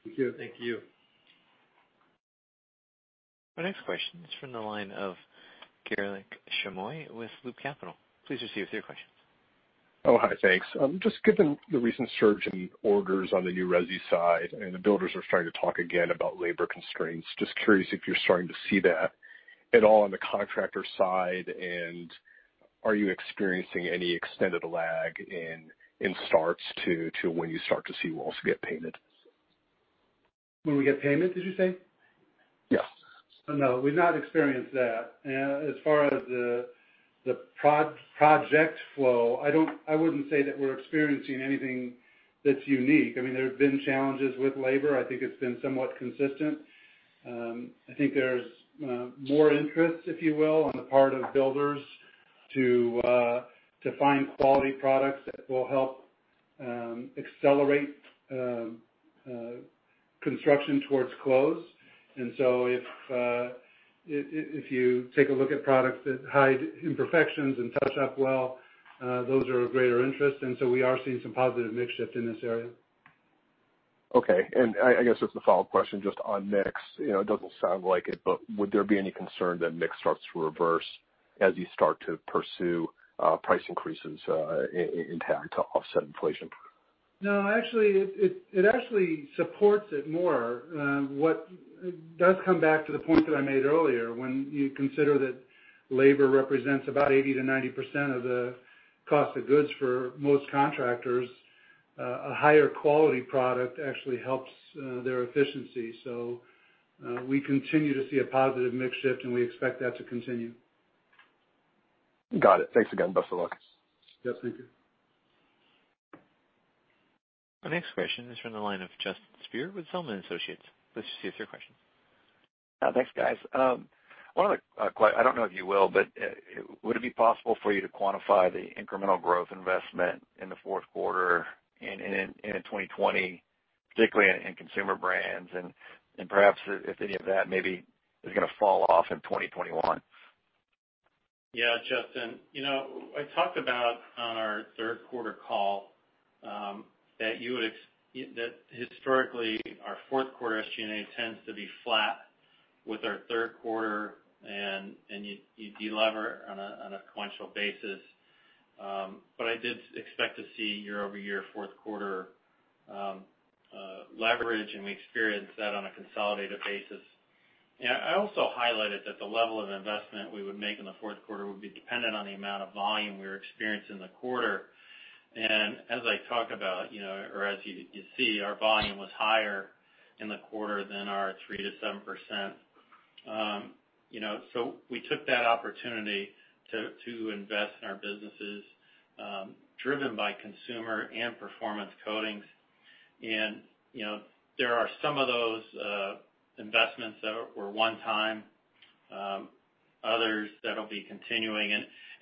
Thank you. Thank you. Our next question is from the line of Garik Shmois with Loop Capital Markets, please proceed with your question. Oh, hi, thanks. Just given the recent surge in orders on the new resi side and the builders are starting to talk again about labor constraints, just curious if you're starting to see that at all on the contractor side, and are you experiencing any extended lag in starts to when you start to see walls get painted? When we get payment, did you say? Yes. No, we've not experienced that. As far as the project flow, I wouldn't say that we're experiencing anything that's unique. There have been challenges with labor. I think it's been somewhat consistent. I think there's more interest, if you will, on the part of builders to find quality products that will help accelerate construction towards close. If you take a look at products that hide imperfections and touch up well, those are of greater interest. We are seeing some positive mix shift in this area. Okay, and I guess just a follow-up question just on mix. It doesn't sound like it, but would there be any concern that mix starts to reverse as you start to pursue price increases in paint to offset inflation? No, it actually supports it more. What does come back to the point that I made earlier, when you consider that labor represents about 80%-90% of the cost of goods for most contractors, a higher quality product actually helps their efficiency. We continue to see a positive mix shift, and we expect that to continue. Got it, thanks again, best of luck. Yes, thank you. Our next question is from the line of Justin Speer with Zelman & Associates, please proceed with your question. Thanks, guys. I don't know if you will, but would it be possible for you to quantify the incremental growth investment in the fourth quarter and into 2020, particularly in Consumer Brands, and perhaps if any of that maybe is going to fall off in 2021? Yeah, Justin, you know I talked about on our third quarter call, that historically our fourth quarter SG&A tends to be flat with our third quarter, and you de-lever on a sequential basis. I did expect to see year-over-year fourth quarter leverage, and we experienced that on a consolidated basis. I also highlighted that the level of investment we would make in the fourth quarter would be dependent on the amount of volume we were experiencing in the quarter. As I talk about or as you see, our volume was higher in the quarter than our 3%-7%. We took that opportunity to invest in our businesses, driven by consumer and Performance Coatings. There are some of those investments that were one time, others that'll be continuing,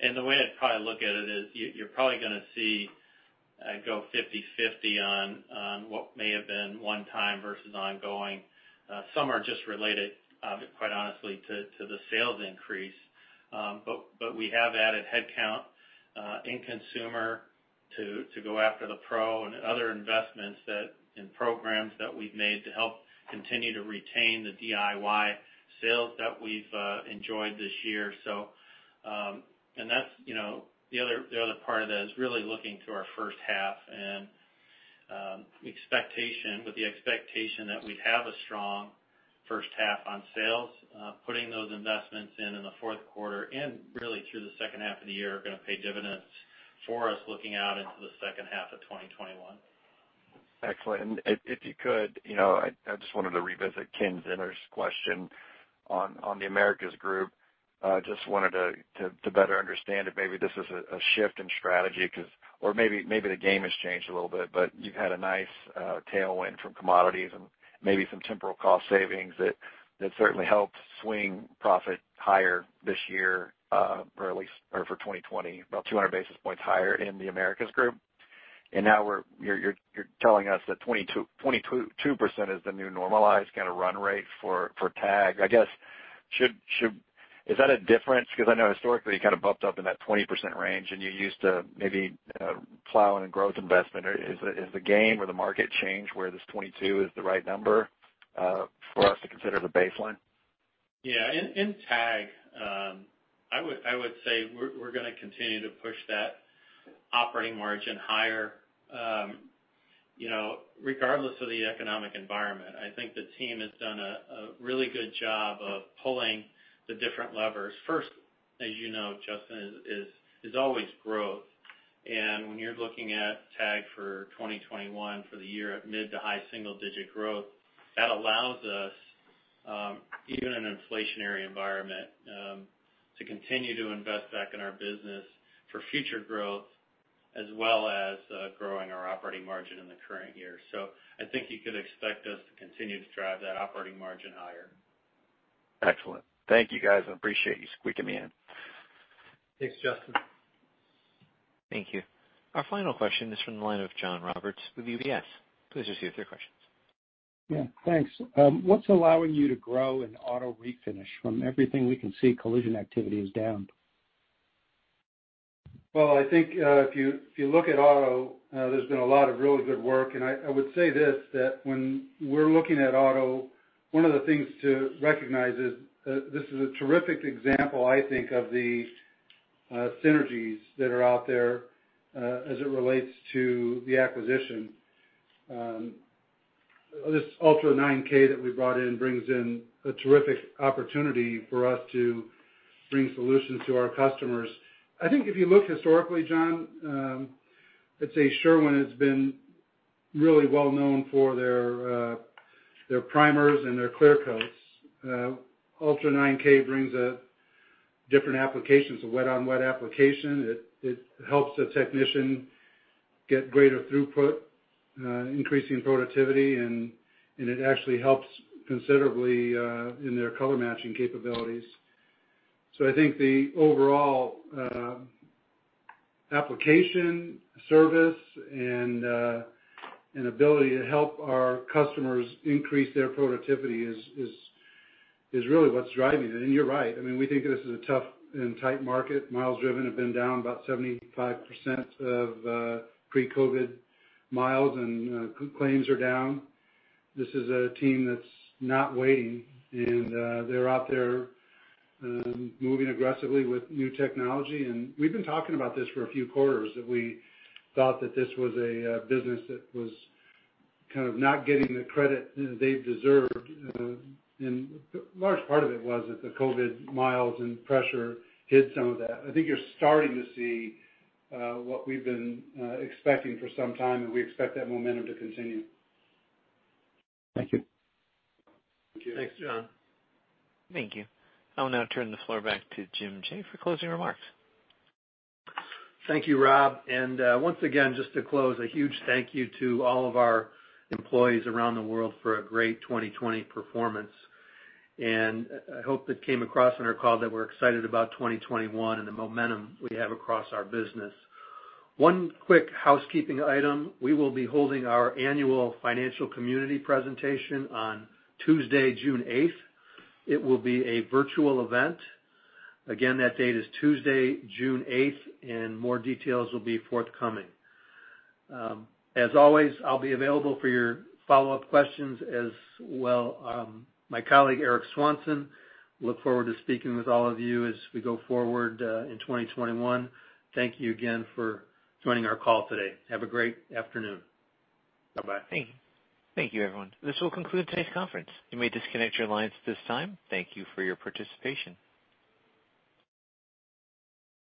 and the way I'd probably look at it is you're probably going to see it go 50/50 on what may have been one time versus ongoing. Some are just related, quite honestly, to the sales increase. We have added headcount in consumer to go after the pro and other investments in programs that we've made to help continue to retain the DIY sales that we've enjoyed this year. The other part of that is really looking to our first half and with the expectation that we'd have a strong first half on sales, putting those investments in in the fourth quarter and really through the second half of the year are going to pay dividends for us looking out into the second half of 2021. Excellent, if you could, I just wanted to revisit Ken Zener's question on the Americas Group. Just wanted to better understand if maybe this is a shift in strategy, or maybe the game has changed a little bit, but you've had a nice tailwind from commodities and maybe some temporal cost savings that certainly helped swing profit higher this year, or at least for 2020, about 200 basis points higher in the Americas Group. Now you're telling us that 22% is the new normalized kind of run rate for TAG. I guess, is that a difference? I know historically, you kind of bumped up in that 20% range and you used to maybe plow in growth investment. Has the game or the market changed where this 22% is the right number for us to consider the baseline? Yeah, in TAG, I would say we're going to continue to push that operating margin higher, regardless of the economic environment. I think the team has done a really good job of pulling the different levers. First, as you know, Justin, is always growth. When you're looking at TAG for 2021 for the year at mid-to-high single-digit growth, that allows us, even in an inflationary environment, to continue to invest back in our business for future growth as well as growing our operating margin in the current year. I think you could expect us to continue to drive that operating margin higher. Excellent, thank you, guys. I appreciate you squeezing me in. Thanks, Justin. Thank you, our final question is from the line of John Roberts with UBS, please proceed with your questions. Yeah, thanks. What's allowing you to grow in auto refinish from everything we can see, collision activity is down? Well, I think, if you look at auto, there's been a lot of really good work, and I would say this, that when we're looking at auto, one of the things to recognize is that this is a terrific example, I think, of the synergies that are out there, as it relates to the acquisition. This Ultra 9K that we brought in brings in a terrific opportunity for us to bring solutions to our customers. I think if you look historically, John, I'd say Sherwin has been really well known for their primers and their clear coats. Ultra 9K brings a different application. It's a wet-on-wet application. It helps the technician get greater throughput, increasing productivity, and it actually helps considerably in their color matching capabilities. I think the overall application, service, and ability to help our customers increase their productivity is really what's driving it. You're right, we think of this as a tough and tight market. Miles driven have been down about 75% of pre-COVID miles, and claims are down. This is a team that's not waiting, and they're out there moving aggressively with new technology. We've been talking about this for a few quarters, that we thought that this was a business that was kind of not getting the credit they deserved, and a large part of it was that the COVID miles and pressure hid some of that. I think you're starting to see what we've been expecting for some time, and we expect that momentum to continue. Thank you. Thanks, John. Thank you, I will now turn the floor back to Jim Jaye for closing remarks. Thank you, Rob. Once again, just to close, a huge thank you to all of our employees around the world for a great 2020 performance. I hope that came across on our call that we're excited about 2021 and the momentum we have across our business. One quick housekeeping item. We will be holding our annual financial community presentation on Tuesday, June eight. It will be a virtual event. Again, that date is Tuesday, June eight, and more details will be forthcoming. As always, I'll be available for your follow-up questions, as well my colleague, Eric Swanson. I look forward to speaking with all of you as we go forward in 2021. Thank you again for joining our call today. Have a great afternoon, bye-bye. Thank you, everyone, this will conclude today's conference. You may disconnect your lines at this time, thank you for your participation.